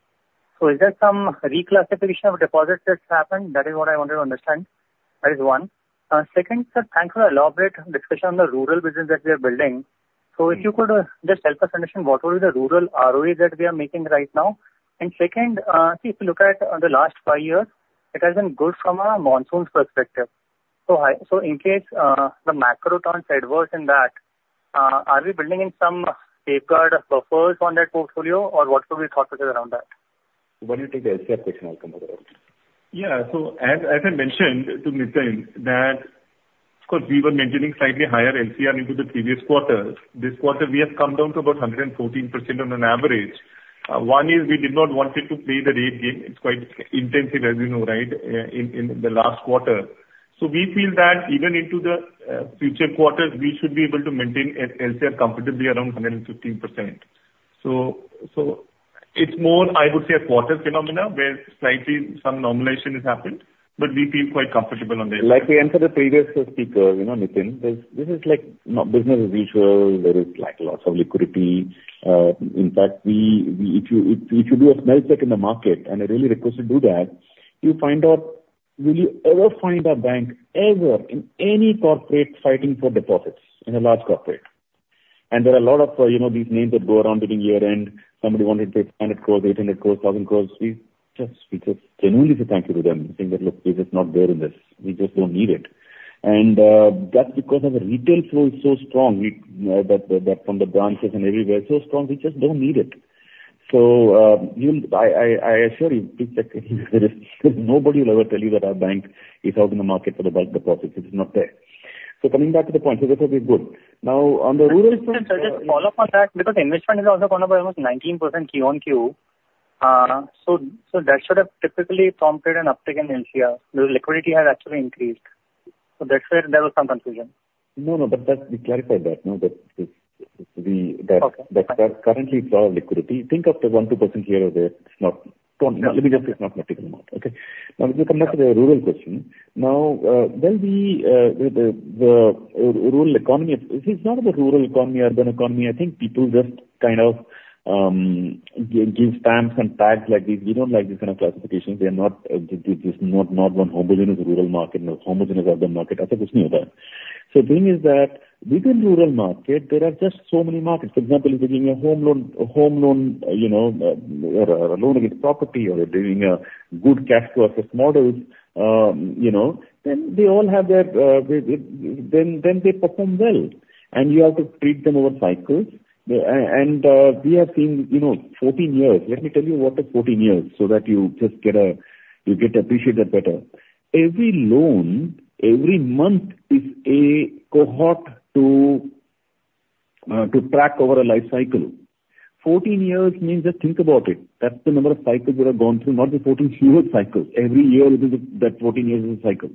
S13: So is there some reclassification of deposits that's happened? That is what I wanted to understand. That is one. Second, sir, thanks for the elaborate discussion on the rural business that we are building. So if you could just help us understand, what would be the rural ROE that we are making right now? And second, see, if you look at the last five years, it has been good from a monsoons perspective. So in case the macro turns adverse in that, are we building in some safeguard buffers on that portfolio, or what could be the thought process around that?
S3: Why don't you take the LCR question? I'll come to that.
S4: Yeah. So as I mentioned to Nitin that, of course, we were maintaining slightly higher LCR into the previous quarter. This quarter, we have come down to about 114% on an average. One is we did not want it to play the rate game. It's quite intensive, as you know, right, in the last quarter. So we feel that even into the future quarters, we should be able to maintain LCR comfortably around 115%. So it's more, I would say, a quarter phenomena where slightly some normalization has happened. But we feel quite comfortable on the LCR.
S3: Like we answered the previous speaker, Nitin, this is not business as usual. There is lots of liquidity. In fact, if you do a smell check in the market, and I really request to do that, you find out will you ever find a bank ever in any corporate fighting for deposits in a large corporate? And there are a lot of these names that go around during year-end. Somebody wanted to pay INR 500 crore, 800 crore, 1,000 crore. We just genuinely say thank you to them, saying that, "Look, we're just not there in this. We just don't need it." And that's because our retail flow is so strong that from the branches and everywhere, so strong, we just don't need it. So I assure you, please check. There is nobody who will ever tell you that our bank is out in the market for the bulk deposits. It is not there. Coming back to the point, so this would be good. Now, on the rural front.
S13: Just to follow up on that because investment is also going up by almost 19% Q-o-Q. So that should have typically prompted an uptick in LCR. The liquidity has actually increased. So that's where there was some confusion.
S3: No, no. But we clarified that. No, that's correct. Currently, it's all liquidity. Think of the 1%-2% here or there. Let me just say it's not a particular amount. Okay. Now, if we come back to the rural question, now, will the rural economy if it's not the rural economy, urban economy, I think people just kind of give stamps and tags like these. We don't like these kind of classifications. They are not just not one homogeneous rural market, no homogeneous urban market. I think it's new there. So the thing is that within rural market, there are just so many markets. For example, if you're doing a home loan or a loan against property or you're doing a good cash-to-asset model, then they all have their then they perform well. And you have to treat them over cycles. And we have seen 14 years. Let me tell you what is 14 years so that you just get to appreciate that better. Every loan, every month is a cohort to track over a life cycle. 14 years means just think about it. That's the number of cycles we have gone through, not the 14 fewer cycles. Every year within that 14 years is a cycle.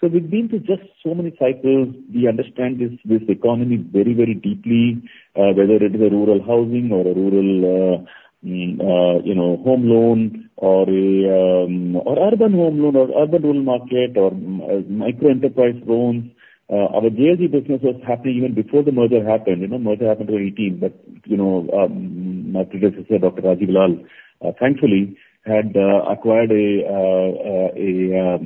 S3: So within just so many cycles, we understand this economy very, very deeply, whether it is a rural housing or a rural home loan or urban home loan or urban rural market or microenterprise loans. Our JLG business was happening even before the merger happened. Merger happened in 2018. But my predecessor, Dr. Rajiv Lall, thankfully, had acquired a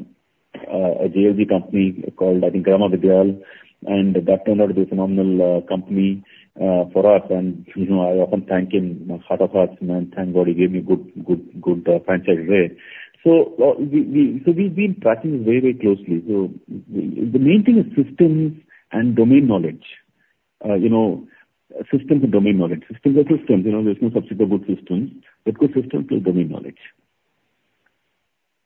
S3: JLG company called, I think, Grama Vidiyal. And that turned out to be a phenomenal company for us. And I often thank him out of heart. I thank God he gave me a good franchise way. We've been tracking it very, very closely. The main thing is systems and domain knowledge. Systems and domain knowledge. Systems are systems. There's no substitute for good systems. But good systems build domain knowledge.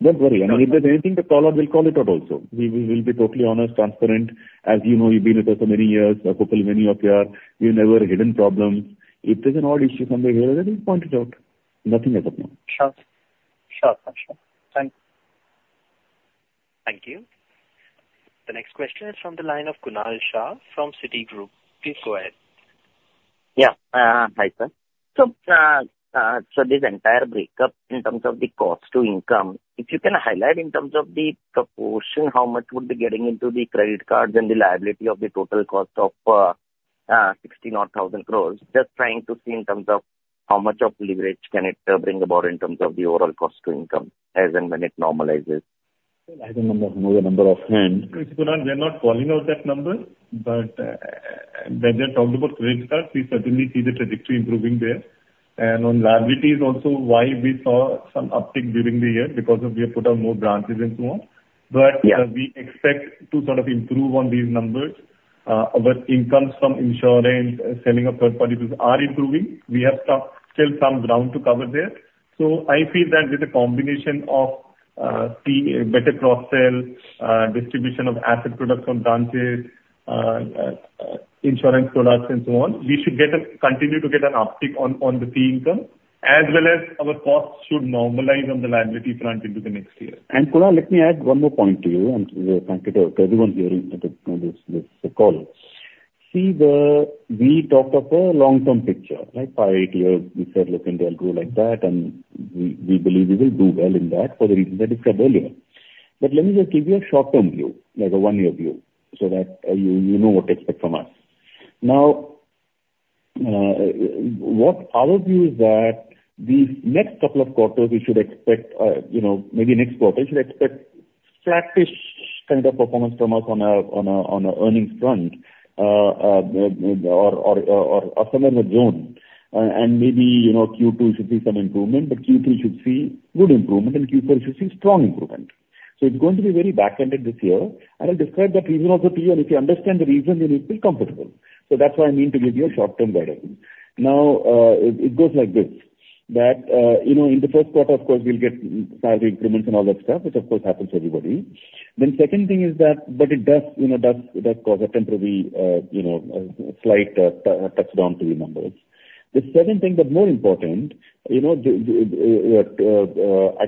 S3: Don't worry. I mean, if there's anything to call out, we'll call it out also. We will be totally honest, transparent. As you know, you've been with us for many years. Hopefully, many of you. We've never hidden problems. If there's an odd issue somewhere here, then we'll point it out. Nothing as of now.
S13: Sure. Sure. Thank you.
S2: Thank you. The next question is from the line of Kunal Shah from Citigroup. Please go ahead.
S14: Yeah. Hi, sir. So this entire breakup in terms of the cost to income, if you can highlight in terms of the proportion, how much would be getting into the credit cards and the liability of the total cost of 16 crores or 1,000 crores, just trying to see in terms of how much of leverage can it bring about in terms of the overall cost to income as and when it normalizes?
S3: I don't know the number offhand.
S4: Yes, Kunal, we are not calling out that number. But when they talked about credit cards, we certainly see the trajectory improving there. And on liabilities also, why we saw some uptick during the year, because we have put out more branches and so on. But we expect to sort of improve on these numbers. Our incomes from insurance, selling of third-party products are improving. We have still some ground to cover there. So I feel that with a combination of better cross-sell, distribution of asset products on branches, insurance products, and so on, we should continue to get an uptick on the fee income as well as our costs should normalize on the liability front into the next year.
S3: And Kunal, let me add one more point to you. And thank you to everyone hearing this call. See, we talked of a long-term picture, right? 5, 8 years, we said, "Look, IDFC grew like that. And we believe we will do well in that for the reason that we said earlier." But let me just give you a short-term view, like a 1-year view, so that you know what to expect from us. Now, our view is that these next couple of quarters, we should expect maybe next quarter, we should expect flat-ish kind of performance from us on our earnings front or somewhere in that zone. And maybe Q2 should see some improvement. But Q3 should see good improvement. And Q4 should see strong improvement. So it's going to be very back-ended this year. And I'll describe that reason also to you. If you understand the reason, then you feel comfortable. So that's why I mean to give you a short-term guidance. Now, it goes like this: that in the first quarter, of course, we'll get salary increments and all that stuff, which, of course, happens to everybody. Then second thing is that but it does cause a temporary slight touchdown to the numbers. The second thing, but more important I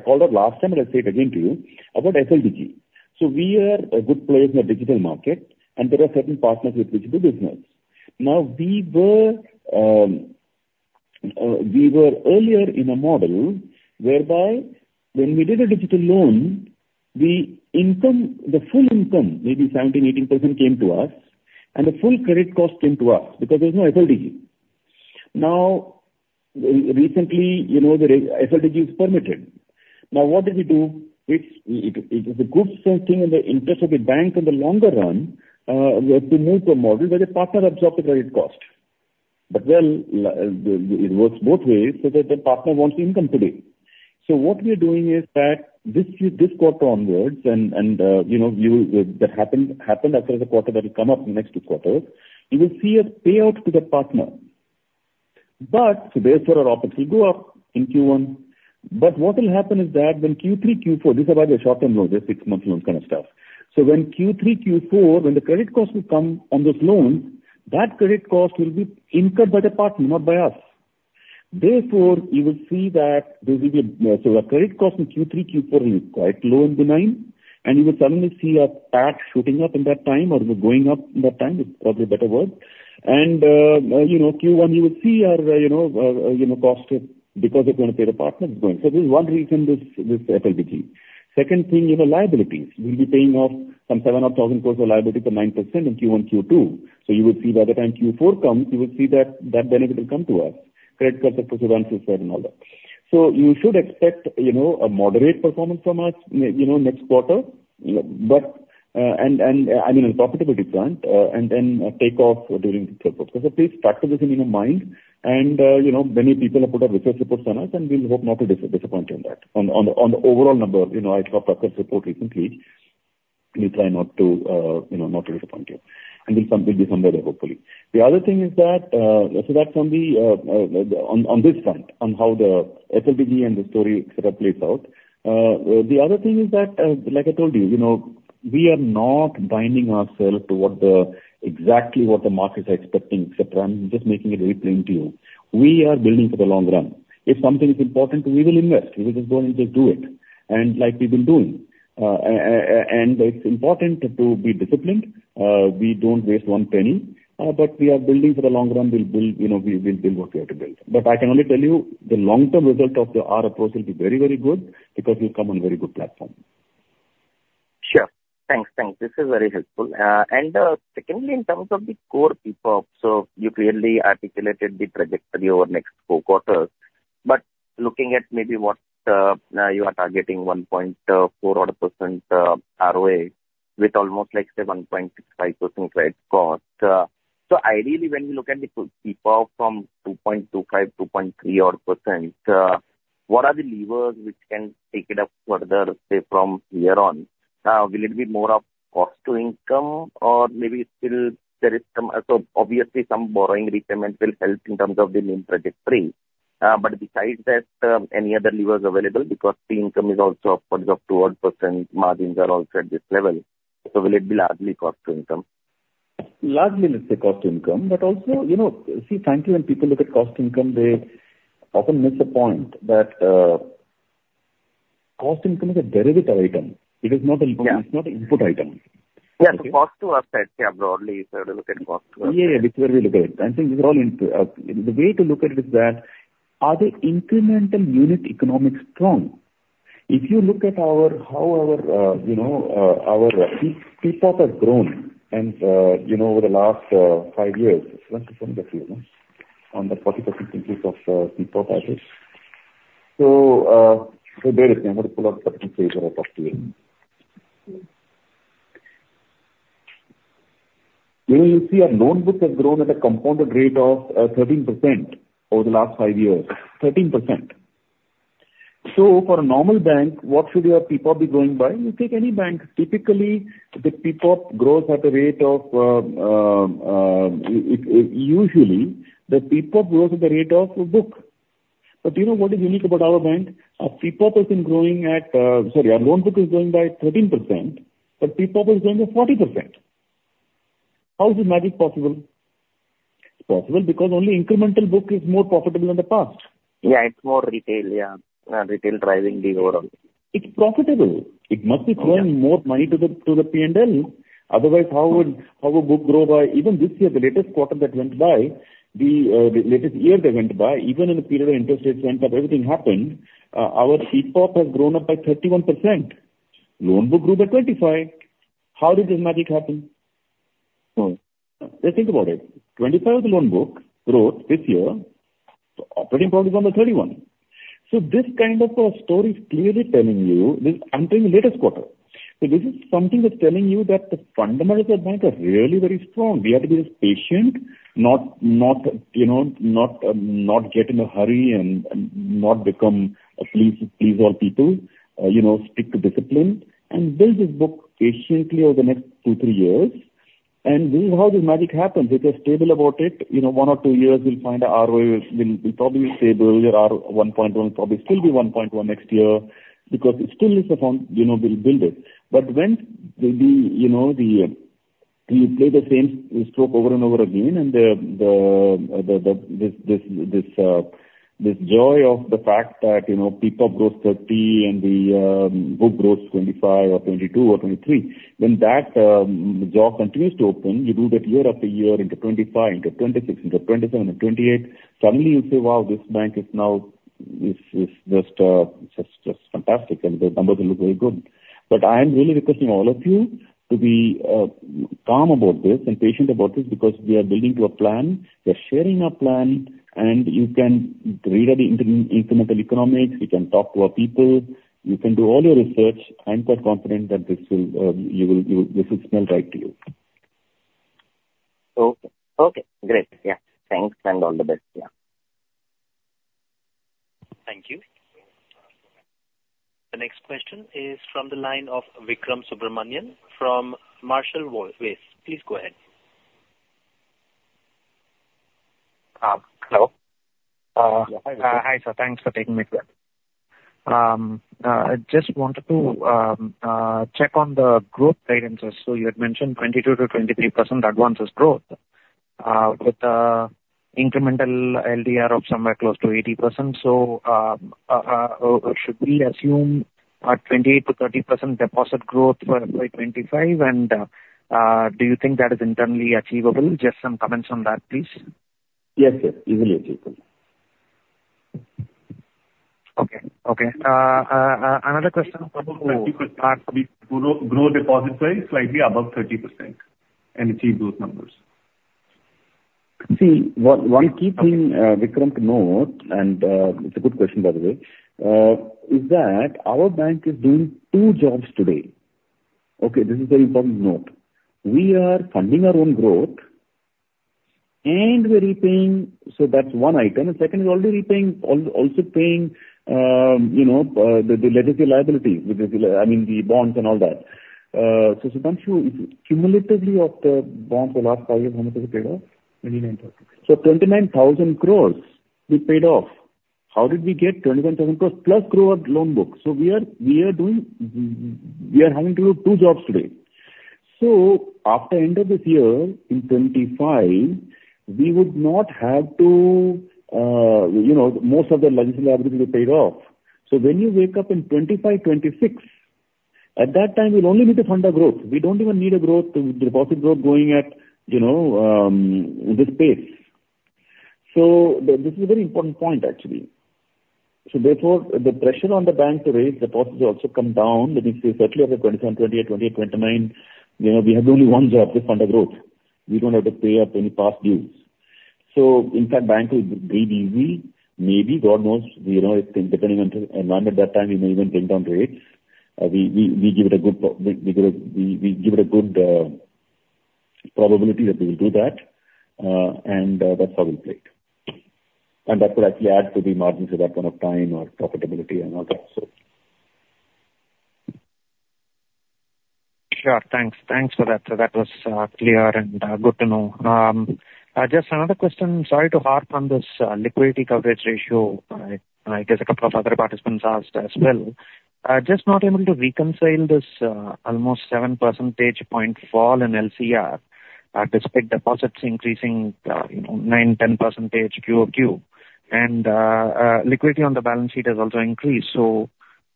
S3: called out last time, and I'll say it again to you, about FLDG. So we are a good player in the digital market. And there are certain partners with which we do business. Now, we were earlier in a model whereby when we did a digital loan, the full income, maybe 17%-18%, came to us. And the full credit cost came to us because there was no FLDG. Now, recently, the FLDG is permitted. Now, what did we do? It was a good thing in the interest of the bank in the longer run to move to a model where the partner absorbs the credit cost. But well, it works both ways so that the partner wants income today. So what we are doing is that this quarter onwards and that happened after the quarter that will come up, the next two quarters, you will see a payout to the partner. So therefore, our OpEx will go up in Q1. But what will happen is that when Q3, Q4, this is about the short-term loans, the six-month loan kind of stuff. So when Q3, Q4, when the credit cost will come on those loans, that credit cost will be incurred by the partner, not by us. Therefore, you will see that the credit cost in Q3, Q4 will be quite low and benign. And you will suddenly see a tax shooting up in that time or going up in that time is probably a better word. And Q1, you will see our cost because they're going to pay the partner, it's going. So there's one reason, this FLDG. Second thing, liabilities. We'll be paying off some 700 or 1,000 crores of liabilities for 9% in Q1, Q2. So you will see by the time Q4 comes, you will see that benefit will come to us, credit cards, and prepayments, and all that. So you should expect a moderate performance from us next quarter. And I mean, on the profitability front and then takeoff during the third quarter. So please keep this in mind. Many people have put out research reports on us. We'll hope not to disappoint you on that, on the overall number. I saw Prakhar's report recently. Let me try not to disappoint you. We'll be somewhere there, hopefully. The other thing is that, so that's on this front, on how the FLDG and the story setup plays out. The other thing is that, like I told you, we are not binding ourselves to exactly what the market is expecting, etc. I'm just making it very plain to you. We are building for the long run. If something is important to us, we will invest. We will just go in and just do it, and like we've been doing. It's important to be disciplined. We don't waste one penny. But we are building for the long run. We'll build what we have to build. I can only tell you the long-term result of our approach will be very, very good because we'll come on a very good platform.
S14: Sure. Thanks. Thanks. This is very helpful. Secondly, in terms of the core P&L, so you clearly articulated the trajectory over next four quarters. But looking at maybe what you are targeting, 1.4% ROA with almost like, say, 1.65% credit cost. So ideally, when we look at the P&L from 2.25%-2.3%, what are the levers which can take it up further, say, from here on? Will it be more of cost to income? Or maybe still there is some, so obviously, some borrowings repayment will help in terms of the new trajectory. But besides that, any other levers available because fee income is also upwards of 2%? Margins are also at this level. So will it be largely cost to income?
S3: Largely, let's say cost to income. But also, see, frankly, when people look at cost to income, they often miss a point that cost to income is a derivative item. It is not an input item.
S14: Yeah. So, cost to assets, yeah, broadly, if you were to look at cost to assets.
S3: Yeah, yeah. Whichever way we look at it. I think these are all the ways to look at it: is that are the incremental unit economics strong? If you look at how our people have grown over the last five years, let me show you that view on the 40% increase of people, I think. So bear with me. I'm going to pull out the caption page that I talked to you. You see, our loan book has grown at a compounded rate of 13% over the last five years, 13%. So for a normal bank, what should your people be going by? You take any bank. Typically, the people grow at a rate of usually, the people grow at the rate of a book. But what is unique about our bank? Our people have been growing at sorry, our loan book is going by 13%. But people are going by 40%. How is this magic possible? It's possible because only incremental book is more profitable than the past.
S14: Yeah. It's more retail. Yeah. Retail driving the overall.
S3: It's profitable. It must be throwing more money to the P&L. Otherwise, how would a book grow by even this year, the latest quarter that went by, the latest year that went by, even in the period when interest rates went up, everything happened, our people have grown up by 31%. Loan book grew by 25. How did this magic happen? Just think about it. 25 of the loan book growth this year. So operating profit is on the 31. So this kind of story is clearly telling you this I'm telling you latest quarter. So this is something that's telling you that the fundamentals of the bank are really very strong. We have to be just patient, not get in a hurry, and not become a please all people, stick to discipline, and build this book patiently over the next two, three years. This is how this magic happens. If you're stable about it, one or two years, you'll find the ROA will probably be stable. Your ROA 1.1 will probably still be 1.1 next year because it still is around we'll build it. But when you play the same stroke over and over again and this joy of the fact that people grow 30 and the book grows 25 or 22 or 23, when that jaw continues to open, you do that year after year into 2025, into 2026, into 2027, into 2028, suddenly, you'll say, "Wow, this bank is now just fantastic. And the numbers look very good." But I am really requesting all of you to be calm about this and patient about this because we are building to a plan. We are sharing our plan. You can read all the incremental economics. You can talk to our people. You can do all your research. I'm quite confident that this will smell right to you.
S14: Okay. Okay. Great. Yeah. Thanks. And all the best. Yeah.
S2: Thank you. The next question is from the line of Vikram Subramanian from Marshall Wace. Please go ahead.
S15: Hello. Hi, Vikram. Hi, sir. Thanks for taking me through that. I just wanted to check on the growth guidances. So you had mentioned 22%-23% advances growth with incremental LDR of somewhere close to 80%. So should we assume 28%-30% deposit growth by 2025? And do you think that is internally achievable? Just some comments on that, please.
S3: Yes, sir. Easily achievable.
S11: Okay. Okay. Another question from who?
S3: 30% growth, deposit size slightly above 30% and achieve those numbers. See, one key thing, Vikram, to note and it's a good question, by the way, is that our bank is doing two jobs today. Okay. This is a very important note. We are funding our own growth. And we're repaying so that's one item. And second, we're already repaying, also paying the legacy liabilities, which is I mean, the bonds and all that. So Saptarshi Bapari, cumulatively of the bonds the last five years, how much has it paid off? 29,000. So 29,000 crore we paid off. How did we get 29,000 crore plus grow our loan book? So we are doing we are having to do two jobs today. So after the end of this year, in 2025, we would not have to most of the legacy liabilities will be paid off. So when you wake up in 2025, 2026, at that time, you'll only need to fund our growth. We don't even need a growth deposit growth going at this pace. So this is a very important point, actually. So therefore, the pressure on the bank to raise deposits will also come down. Let me say, certainly, after 2027, 2028, 2028, 2029, we have only one job to fund our growth. We don't have to pay up any past dues. So in fact, banks will breathe easy. Maybe, God knows. Depending on the environment at that time, we may even bring down rates. We give it a good we give it we give it a good probability that we will do that. And that's how we'll play it. And that could actually add to the margins at that point of time or profitability and all that, so.
S15: Sure. Thanks. Thanks for that. So that was clear and good to know. Just another question. Sorry to harp on this liquidity coverage ratio. I guess a couple of other participants asked as well. Just not able to reconcile this almost 7 percentage point fall in LCR despite deposits increasing 9%-10% QQ. And liquidity on the balance sheet has also increased. So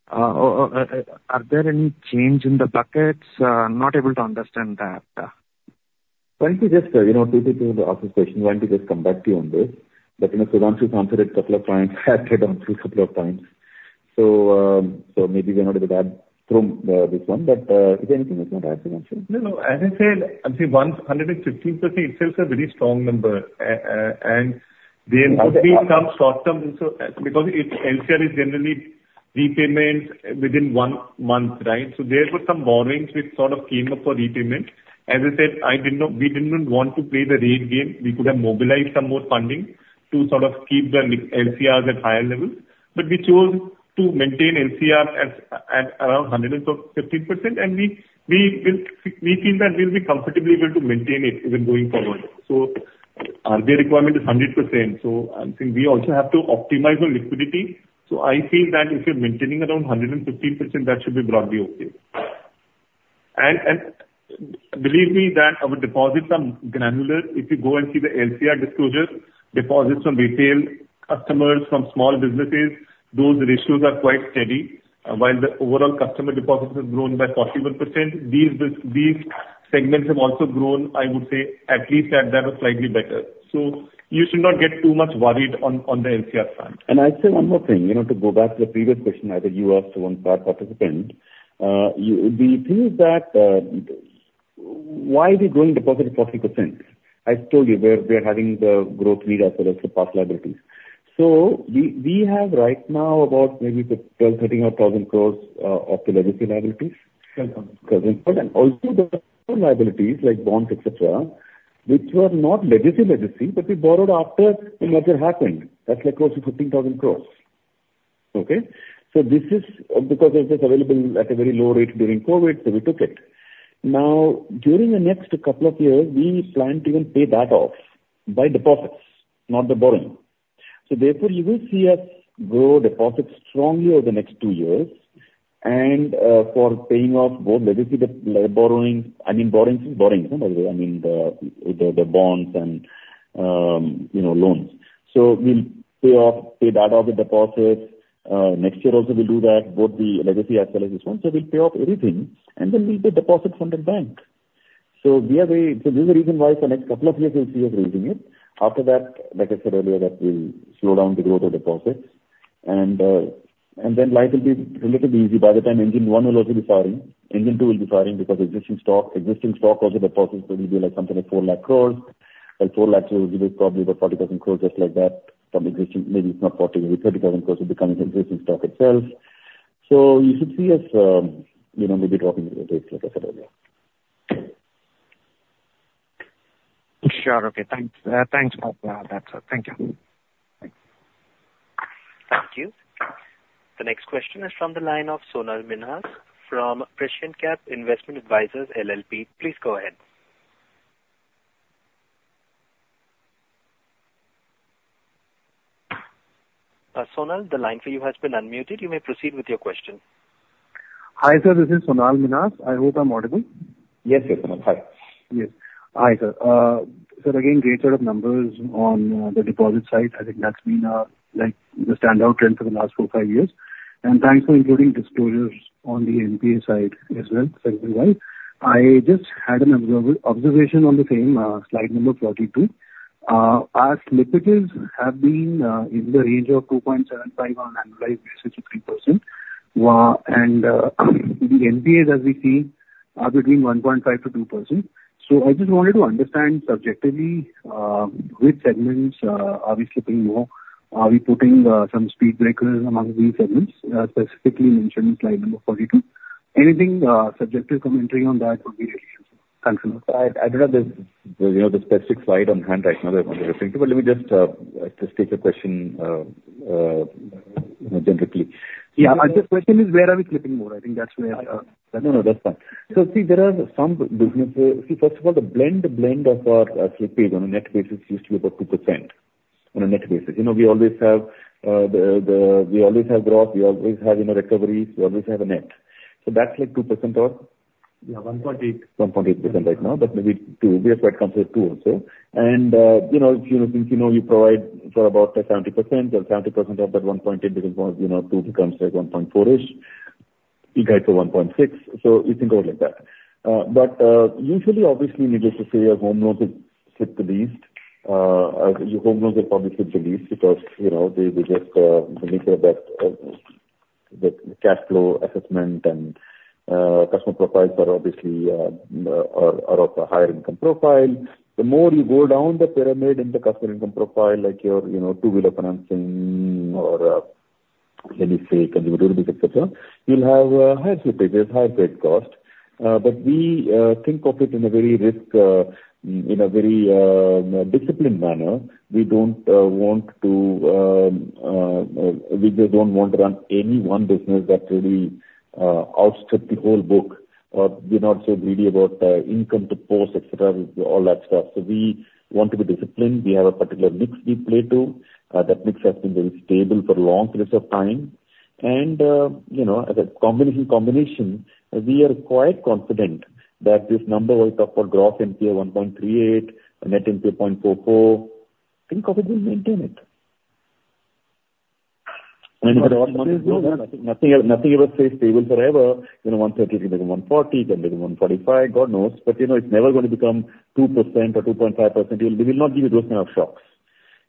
S15: are there any change in the buckets? Not able to understand that.
S3: Why don't we just to answer the question, why don't we just come back to you on this? But Sudhanshu answered it a couple of times. I answered it a couple of times. So maybe we're not able to add through this one. But is there anything else you want to add, Sudhanshu?
S4: No, no. As I said, I'll say 115% itself is a very strong number. And there would be some short-term because LCR is generally repayments within one month, right? So there were some borrowings which sort of came up for repayment. As I said, we didn't want to play the raid game. We could have mobilized some more funding to sort of keep the LCRs at higher levels. But we chose to maintain LCR at around 115%. And we feel that we'll be comfortably able to maintain it even going forward. So our requirement is 100%. So I think we also have to optimize our liquidity. So I feel that if you're maintaining around 115%, that should be broadly okay. And believe me, that our deposits are granular. If you go and see the LCR disclosure, deposits from retail customers, from small businesses, those ratios are quite steady. While the overall customer deposits have grown by 41%, these segments have also grown, I would say, at least at that, slightly better. So you should not get too much worried on the LCR front.
S3: I'd say one more thing. To go back to the previous question either you asked or one of our participants, the thing is that why are we growing deposits at 40%? I told you where we are having the growth need as well as the past liabilities. We have right now about maybe 12,000 crore-13,000 crore of the legacy liabilities.
S4: 12,000.
S3: crore. And also the other liabilities like bonds, etc., which were not legacy legacy, but we borrowed after the merger happened. That's close to 15,000 crore. Okay? So this is because it was available at a very low rate during COVID. So we took it. Now, during the next couple of years, we plan to even pay that off by deposits, not by borrowing. So therefore, you will see us grow deposits strongly over the next two years for paying off both legacy borrowing I mean, borrowings is borrowings, by the way. I mean, the bonds and loans. So we'll pay off pay that off the deposits. Next year also, we'll do that, both the legacy as well as this one. So we'll pay off everything. And then we'll pay deposits from the bank. So this is the reason why for the next couple of years, we'll see us raising it. After that, like I said earlier, that will slow down the growth of deposits. And then life will be relatively easy. By the time Engine One will also be firing, Engine Two will be firing because existing stock existing stock also deposits. It will be something like 400,000 crore. Well, 4 lakhs will give us probably about 40,000 crore just like that from existing maybe it's not 40. Maybe 30,000 crore will become existing stock itself. So you should see us maybe dropping rates, like I said earlier.
S15: Sure. Okay. Thanks. Thanks. Thank you.
S2: Thank you. The next question is from the line of Sonal Minhas from Prescient Capital. Please go ahead. Sonal, the line for you has been unmuted. You may proceed with your question.
S16: Hi, sir. This is Sonal Minhas. I hope I'm audible. Yes, sir. Hi. Yes. Hi, sir. So again, great set of numbers on the deposit side. I think that's been the standout trend for the last 4-5 years. And thanks for including disclosures on the NPA side as well, segment-wise. I just had an observation on the same slide number 42. Our slippages have been in the range of 2.75% on an annualized basis with 3%. And the NPAs, as we see, are between 1.5%-2%. So I just wanted to understand subjectively which segments, obviously, paying more. Are we putting some speed breakers among these segments, specifically mentioned in slide number 42? Anything subjective commentary on that would be really helpful.
S3: Thanks, Sonal. I don't have the specific slide on hand right now that I want to refer to. But let me just take your question generically.
S16: Yeah. The question is, where are we slipping more? I think that's where that.
S3: No, no. That's fine. So, see, there are some businesses. See, first of all, the blend of our slippage on a net basis used to be about 2% on a net basis. We always have growth. We always have recoveries. We always have a net. So that's like 2% or?
S4: Yeah. 1.8.
S3: 1.8% right now. But maybe 2%. We are quite confident 2% also. And since you provide for about 70%, then 70% of that 1.8% becomes 2% becomes 1.4%-ish. You guide for 1.6%. So you think of it like that. But usually, obviously, you need us to say our home loans have slipped the least. Home loans have probably slipped the least because it's just the nature of that cash flow assessment and customer profiles are obviously of a higher income profile. The more you go down the pyramid in the customer income profile, like your two-wheeler financing or any unsecured individual debts, etc., you'll have higher slippages, higher provision cost. But we think of it in a very risk in a very disciplined manner. We don't want to; we just don't want to run any one business that really outstrips the whole book. We're not so greedy about income deposits, etc., all that stuff. So we want to be disciplined. We have a particular mix we play to. That mix has been very stable for long periods of time. And as a combination, combination, we are quite confident that this number, we talked about gross NPA 1.38%, net NPA 0.44%, think of it and maintain it. And if you're not going to nothing ever stays stable forever. 1.30 can become 1.40. It can become 1.45. God knows. But it's never going to become 2% or 2.5%. We will not give you those kind of shocks.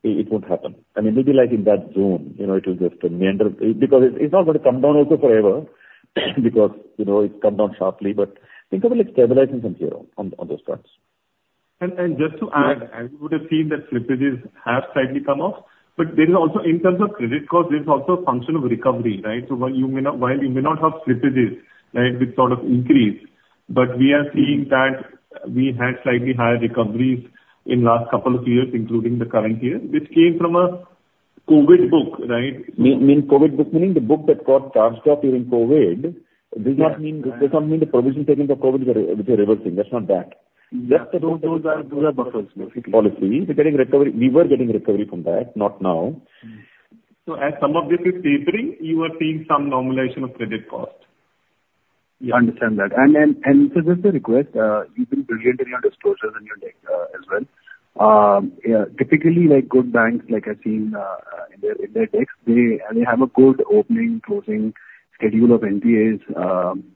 S3: It won't happen. I mean, maybe in that zone, it will just meander because it's not going to come down also forever because it's come down sharply. But think of it like stabilizing from here on those fronts.
S16: And just to add, as you would have seen, that slippages have slightly come off. But there is also in terms of credit cost, there is also a function of recovery, right? So while you may not have slippages, right, with sort of increase, but we are seeing that we had slightly higher recoveries in the last couple of years, including the current year, which came from a COVID book, right?
S3: You mean COVID book, meaning the book that got charged off during COVID? Does not mean the provision taken for COVID which are reversing. That's not that.
S16: Just those are buffers, basically.
S3: Policy. We were getting recovery from that, not now.
S16: As some of this is tapering, you are seeing some normalization of credit cost. Yeah.
S3: I understand that. And so, just a request. You've been brilliant in your disclosures and your decks as well. Typically, good banks, like I've seen in their decks, they have a good opening-closing schedule of NPAs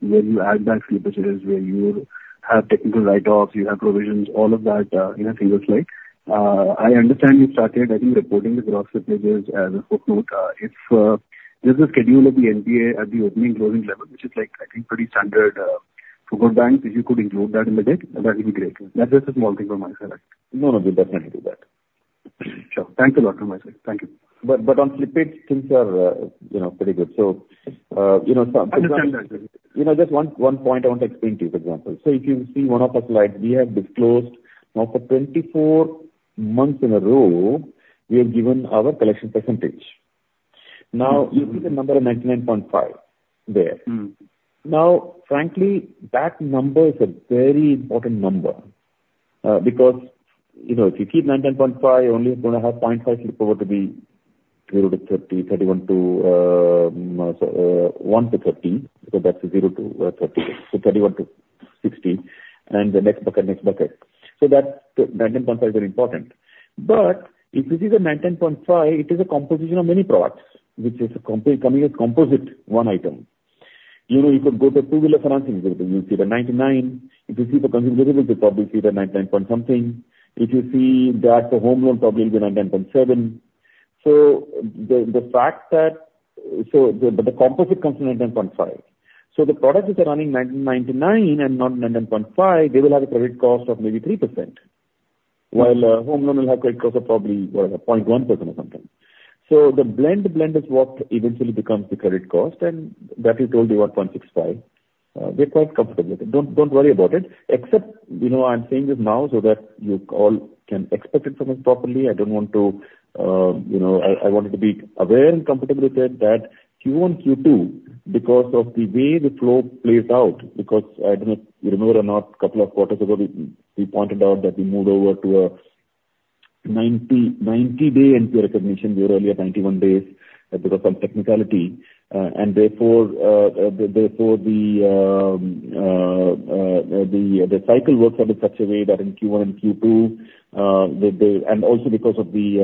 S3: where you add back slippages, where you have technical write-offs, you have provisions, all of that in a single slide. I understand you started, I think, reporting the gross slippages as a footnote. If there's a schedule of the NPA at the opening-closing level, which is, I think, pretty standard for good banks, if you could include that in the deck, that would be great. That's just a small thing from my side, actually. No, no. We'll definitely do that. Sure. Thanks a lot, from my side. Thank you. But on slippage, things are pretty good. So for example.
S16: I understand that, sir.
S3: Just one point I want to explain to you, for example. So if you see one of our slides, we have disclosed now for 24 months in a row, we have given our collection percentage. Now, you see the number of 99.5% there. Now, frankly, that number is a very important number because if you keep 99.5%, only going to have 0.5% slip over to be 0-30, 31-60, and the next bucket, next bucket. So that 99.5% is very important. But if you see the 99.5%, it is a composition of many products, which is coming as composite, one item. You could go to two-wheeler financing. You'll see the 99%. If you see for consumer vehicles, you'll probably see the 99 point something. If you see that for home loan, probably it'll be 99.7%. So the fact that the composite comes from 99.5. So the product which are running 99.9 and not 99.5, they will have a credit cost of maybe 3%, while a home loan will have a credit cost of probably, whatever, 0.1% or something. So the blend is what eventually becomes the credit cost. And that we told you about 0.65. We're quite comfortable with it. Don't worry about it. Except I'm saying this now so that you all can expect it from us properly. I don't want to—I want you to be aware and comfortable with it that Q1, Q2, because of the way the flow plays out because I don't know if you remember or not, a couple of quarters ago, we pointed out that we moved over to a 90-day NPA recognition. We were earlier at 91 days because of some technicality. And therefore, the cycle works out in such a way that in Q1 and Q2, and also because of the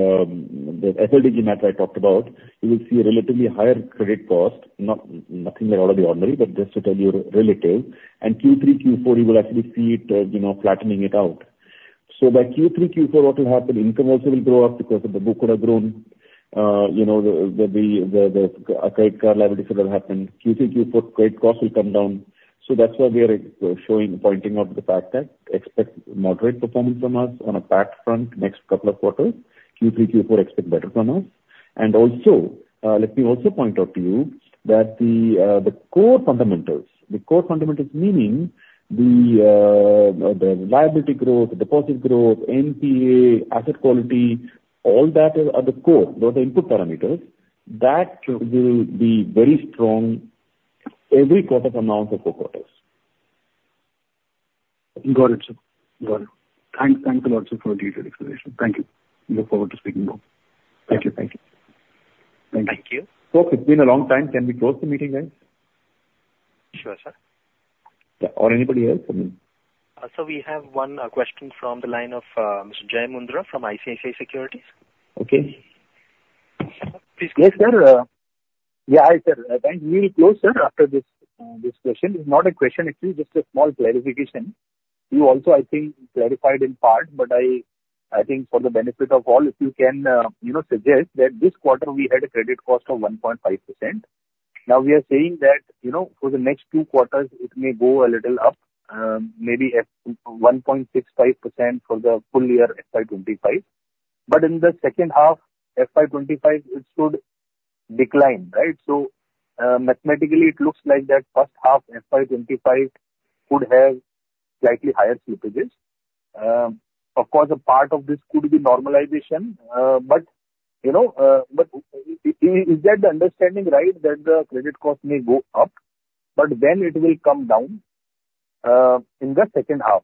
S3: FLDG map I talked about, you will see a relatively higher credit cost, nothing that out of the ordinary, but just to tell you relative. And Q3, Q4, you will actually see it flattening it out. So by Q3, Q4, what will happen? Income also will grow up because of the book would have grown. The credit card liabilities would have happened. Q3, Q4, credit cost will come down. So that's why we are showing, pointing out the fact that expect moderate performance from us on a PAT front next couple of quarters. Q3, Q4, expect better from us. Let me also point out to you that the core fundamentals, the core fundamentals, meaning the liability growth, deposit growth, NPA, asset quality, all that are the core, those are input parameters that will be very strong every quarter from now until four quarters.
S16: Got it, sir. Got it. Thanks a lot, sir, for a detailed explanation. Thank you. Look forward to speaking more. Thank you.
S3: Thank you.
S16: Thank you.
S3: Thank you. Folks, it's been a long time. Can we close the meeting, guys?
S2: Sure, sir.
S3: Yeah. Or anybody else?
S2: We have one question from the line of Mr. Jai Mundhra from ICICI Securities.
S3: Okay.
S17: Yes, sir. Yeah, hi, sir. Thanks. We will close, sir, after this question. It's not a question, actually, just a small clarification. You also, I think, clarified in part. But I think for the benefit of all, if you can suggest that this quarter, we had a credit cost of 1.5%. Now, we are saying that for the next two quarters, it may go a little up, maybe 1.65% for the full year FY25. But in the second half, FY25, it should decline, right? So mathematically, it looks like that first half, FY25, could have slightly higher slippages. Of course, a part of this could be normalization. But is that the understanding, right, that the credit cost may go up, but then it will come down in the second half?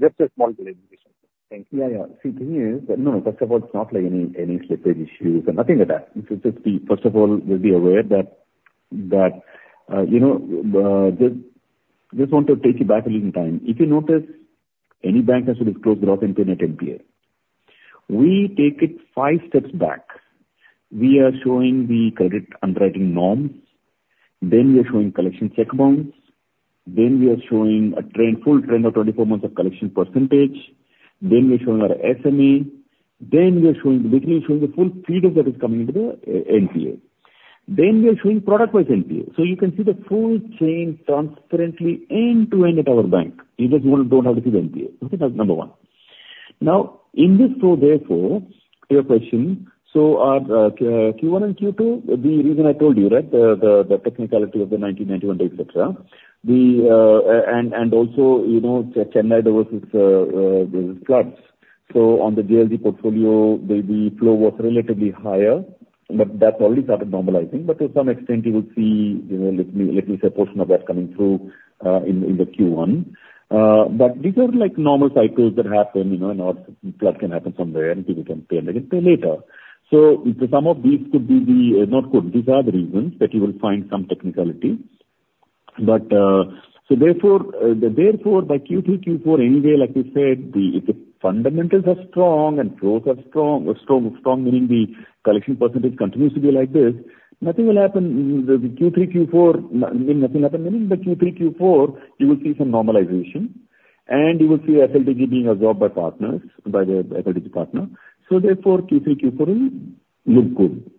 S17: Just a small clarification. Thank you.
S3: Yeah, yeah. See, the news? No, no. First of all, it's not any slippage issues or nothing like that. First of all, we'll be aware that just want to take you back a little in time. If you notice, any bank has to disclose growth into net NPA. We take it five steps back. We are showing the credit underwriting norms. Then we are showing collection cheque bounce. Then we are showing a full trend of 24 months of collection percentage. Then we are showing our SME. Then we are showing basically showing the full feed that is coming into the NPA. Then we are showing product-wise NPA. So you can see the full chain transparently end to end at our bank. You just don't have to see the NPA. Okay? That's number one. Now, in this flow, therefore, to your question, so our Q1 and Q2, the reason I told you, right, the technicality of the 90, 91 days, etc., and also Chennai floods. So on the JLG portfolio, the flow was relatively higher. But that's already started normalizing. But to some extent, you will see, let me say, a portion of that coming through in the Q1. But these are normal cycles that happen. And flood can happen somewhere, and people can pay and they can pay later. So some of these could be the not could. These are the reasons that you will find some technicality. So therefore, by Q3, Q4, anyway, like we said, if the fundamentals are strong and growth are strong, strong, strong, meaning the collection percentage continues to be like this, nothing will happen. The Q3, Q4, meaning nothing happen. Meaning by Q3, Q4, you will see some normalization. And you will see FLDG being absorbed by partners, by the FLDG partner. So therefore, Q3, Q4 will look good.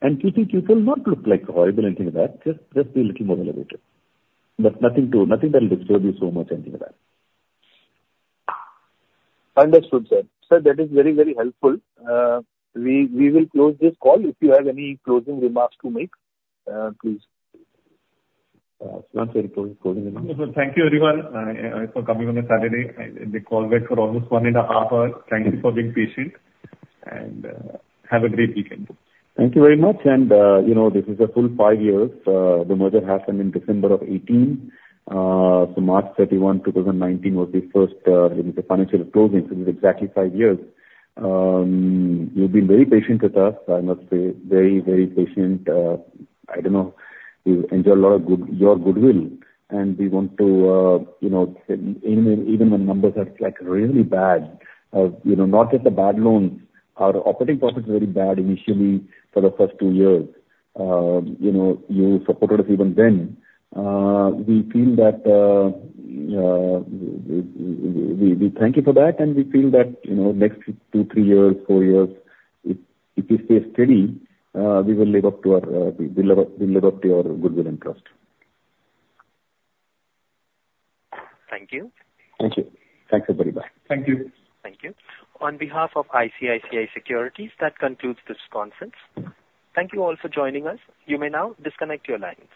S3: And Q3, Q4 will not look horrible, anything like that. Just be a little more elevated. But nothing that will disturb you so much, anything like that.
S17: Understood, sir. Sir, that is very, very helpful. We will close this call. If you have any closing remarks to make, please.
S3: If you want to say any closing remarks.
S4: Thank you very much. I'm coming on a Saturday. The call went for almost one and a half hours. Thank you for being patient. Have a great weekend.
S3: Thank you very much. This is a full five years. The merger happened in December of 2018. So March 31, 2019, was the first financial closing. So it's exactly five years. You've been very patient with us. I must say, very, very patient. I don't know. We've enjoyed a lot of your goodwill. And we want to even when numbers are really bad, not just the bad loans, our operating profit is very bad initially for the first two years. You supported us even then. We feel that we thank you for that. And we feel that next two, three years, four years, if we stay steady, we will live up to our we'll live up to your goodwill and trust.
S2: Thank you.
S3: Thank you. Thanks, everybody.
S4: Thank you.
S2: Thank you. On behalf of ICICI Securities, that concludes this conference. Thank you all for joining us. You may now disconnect your lines.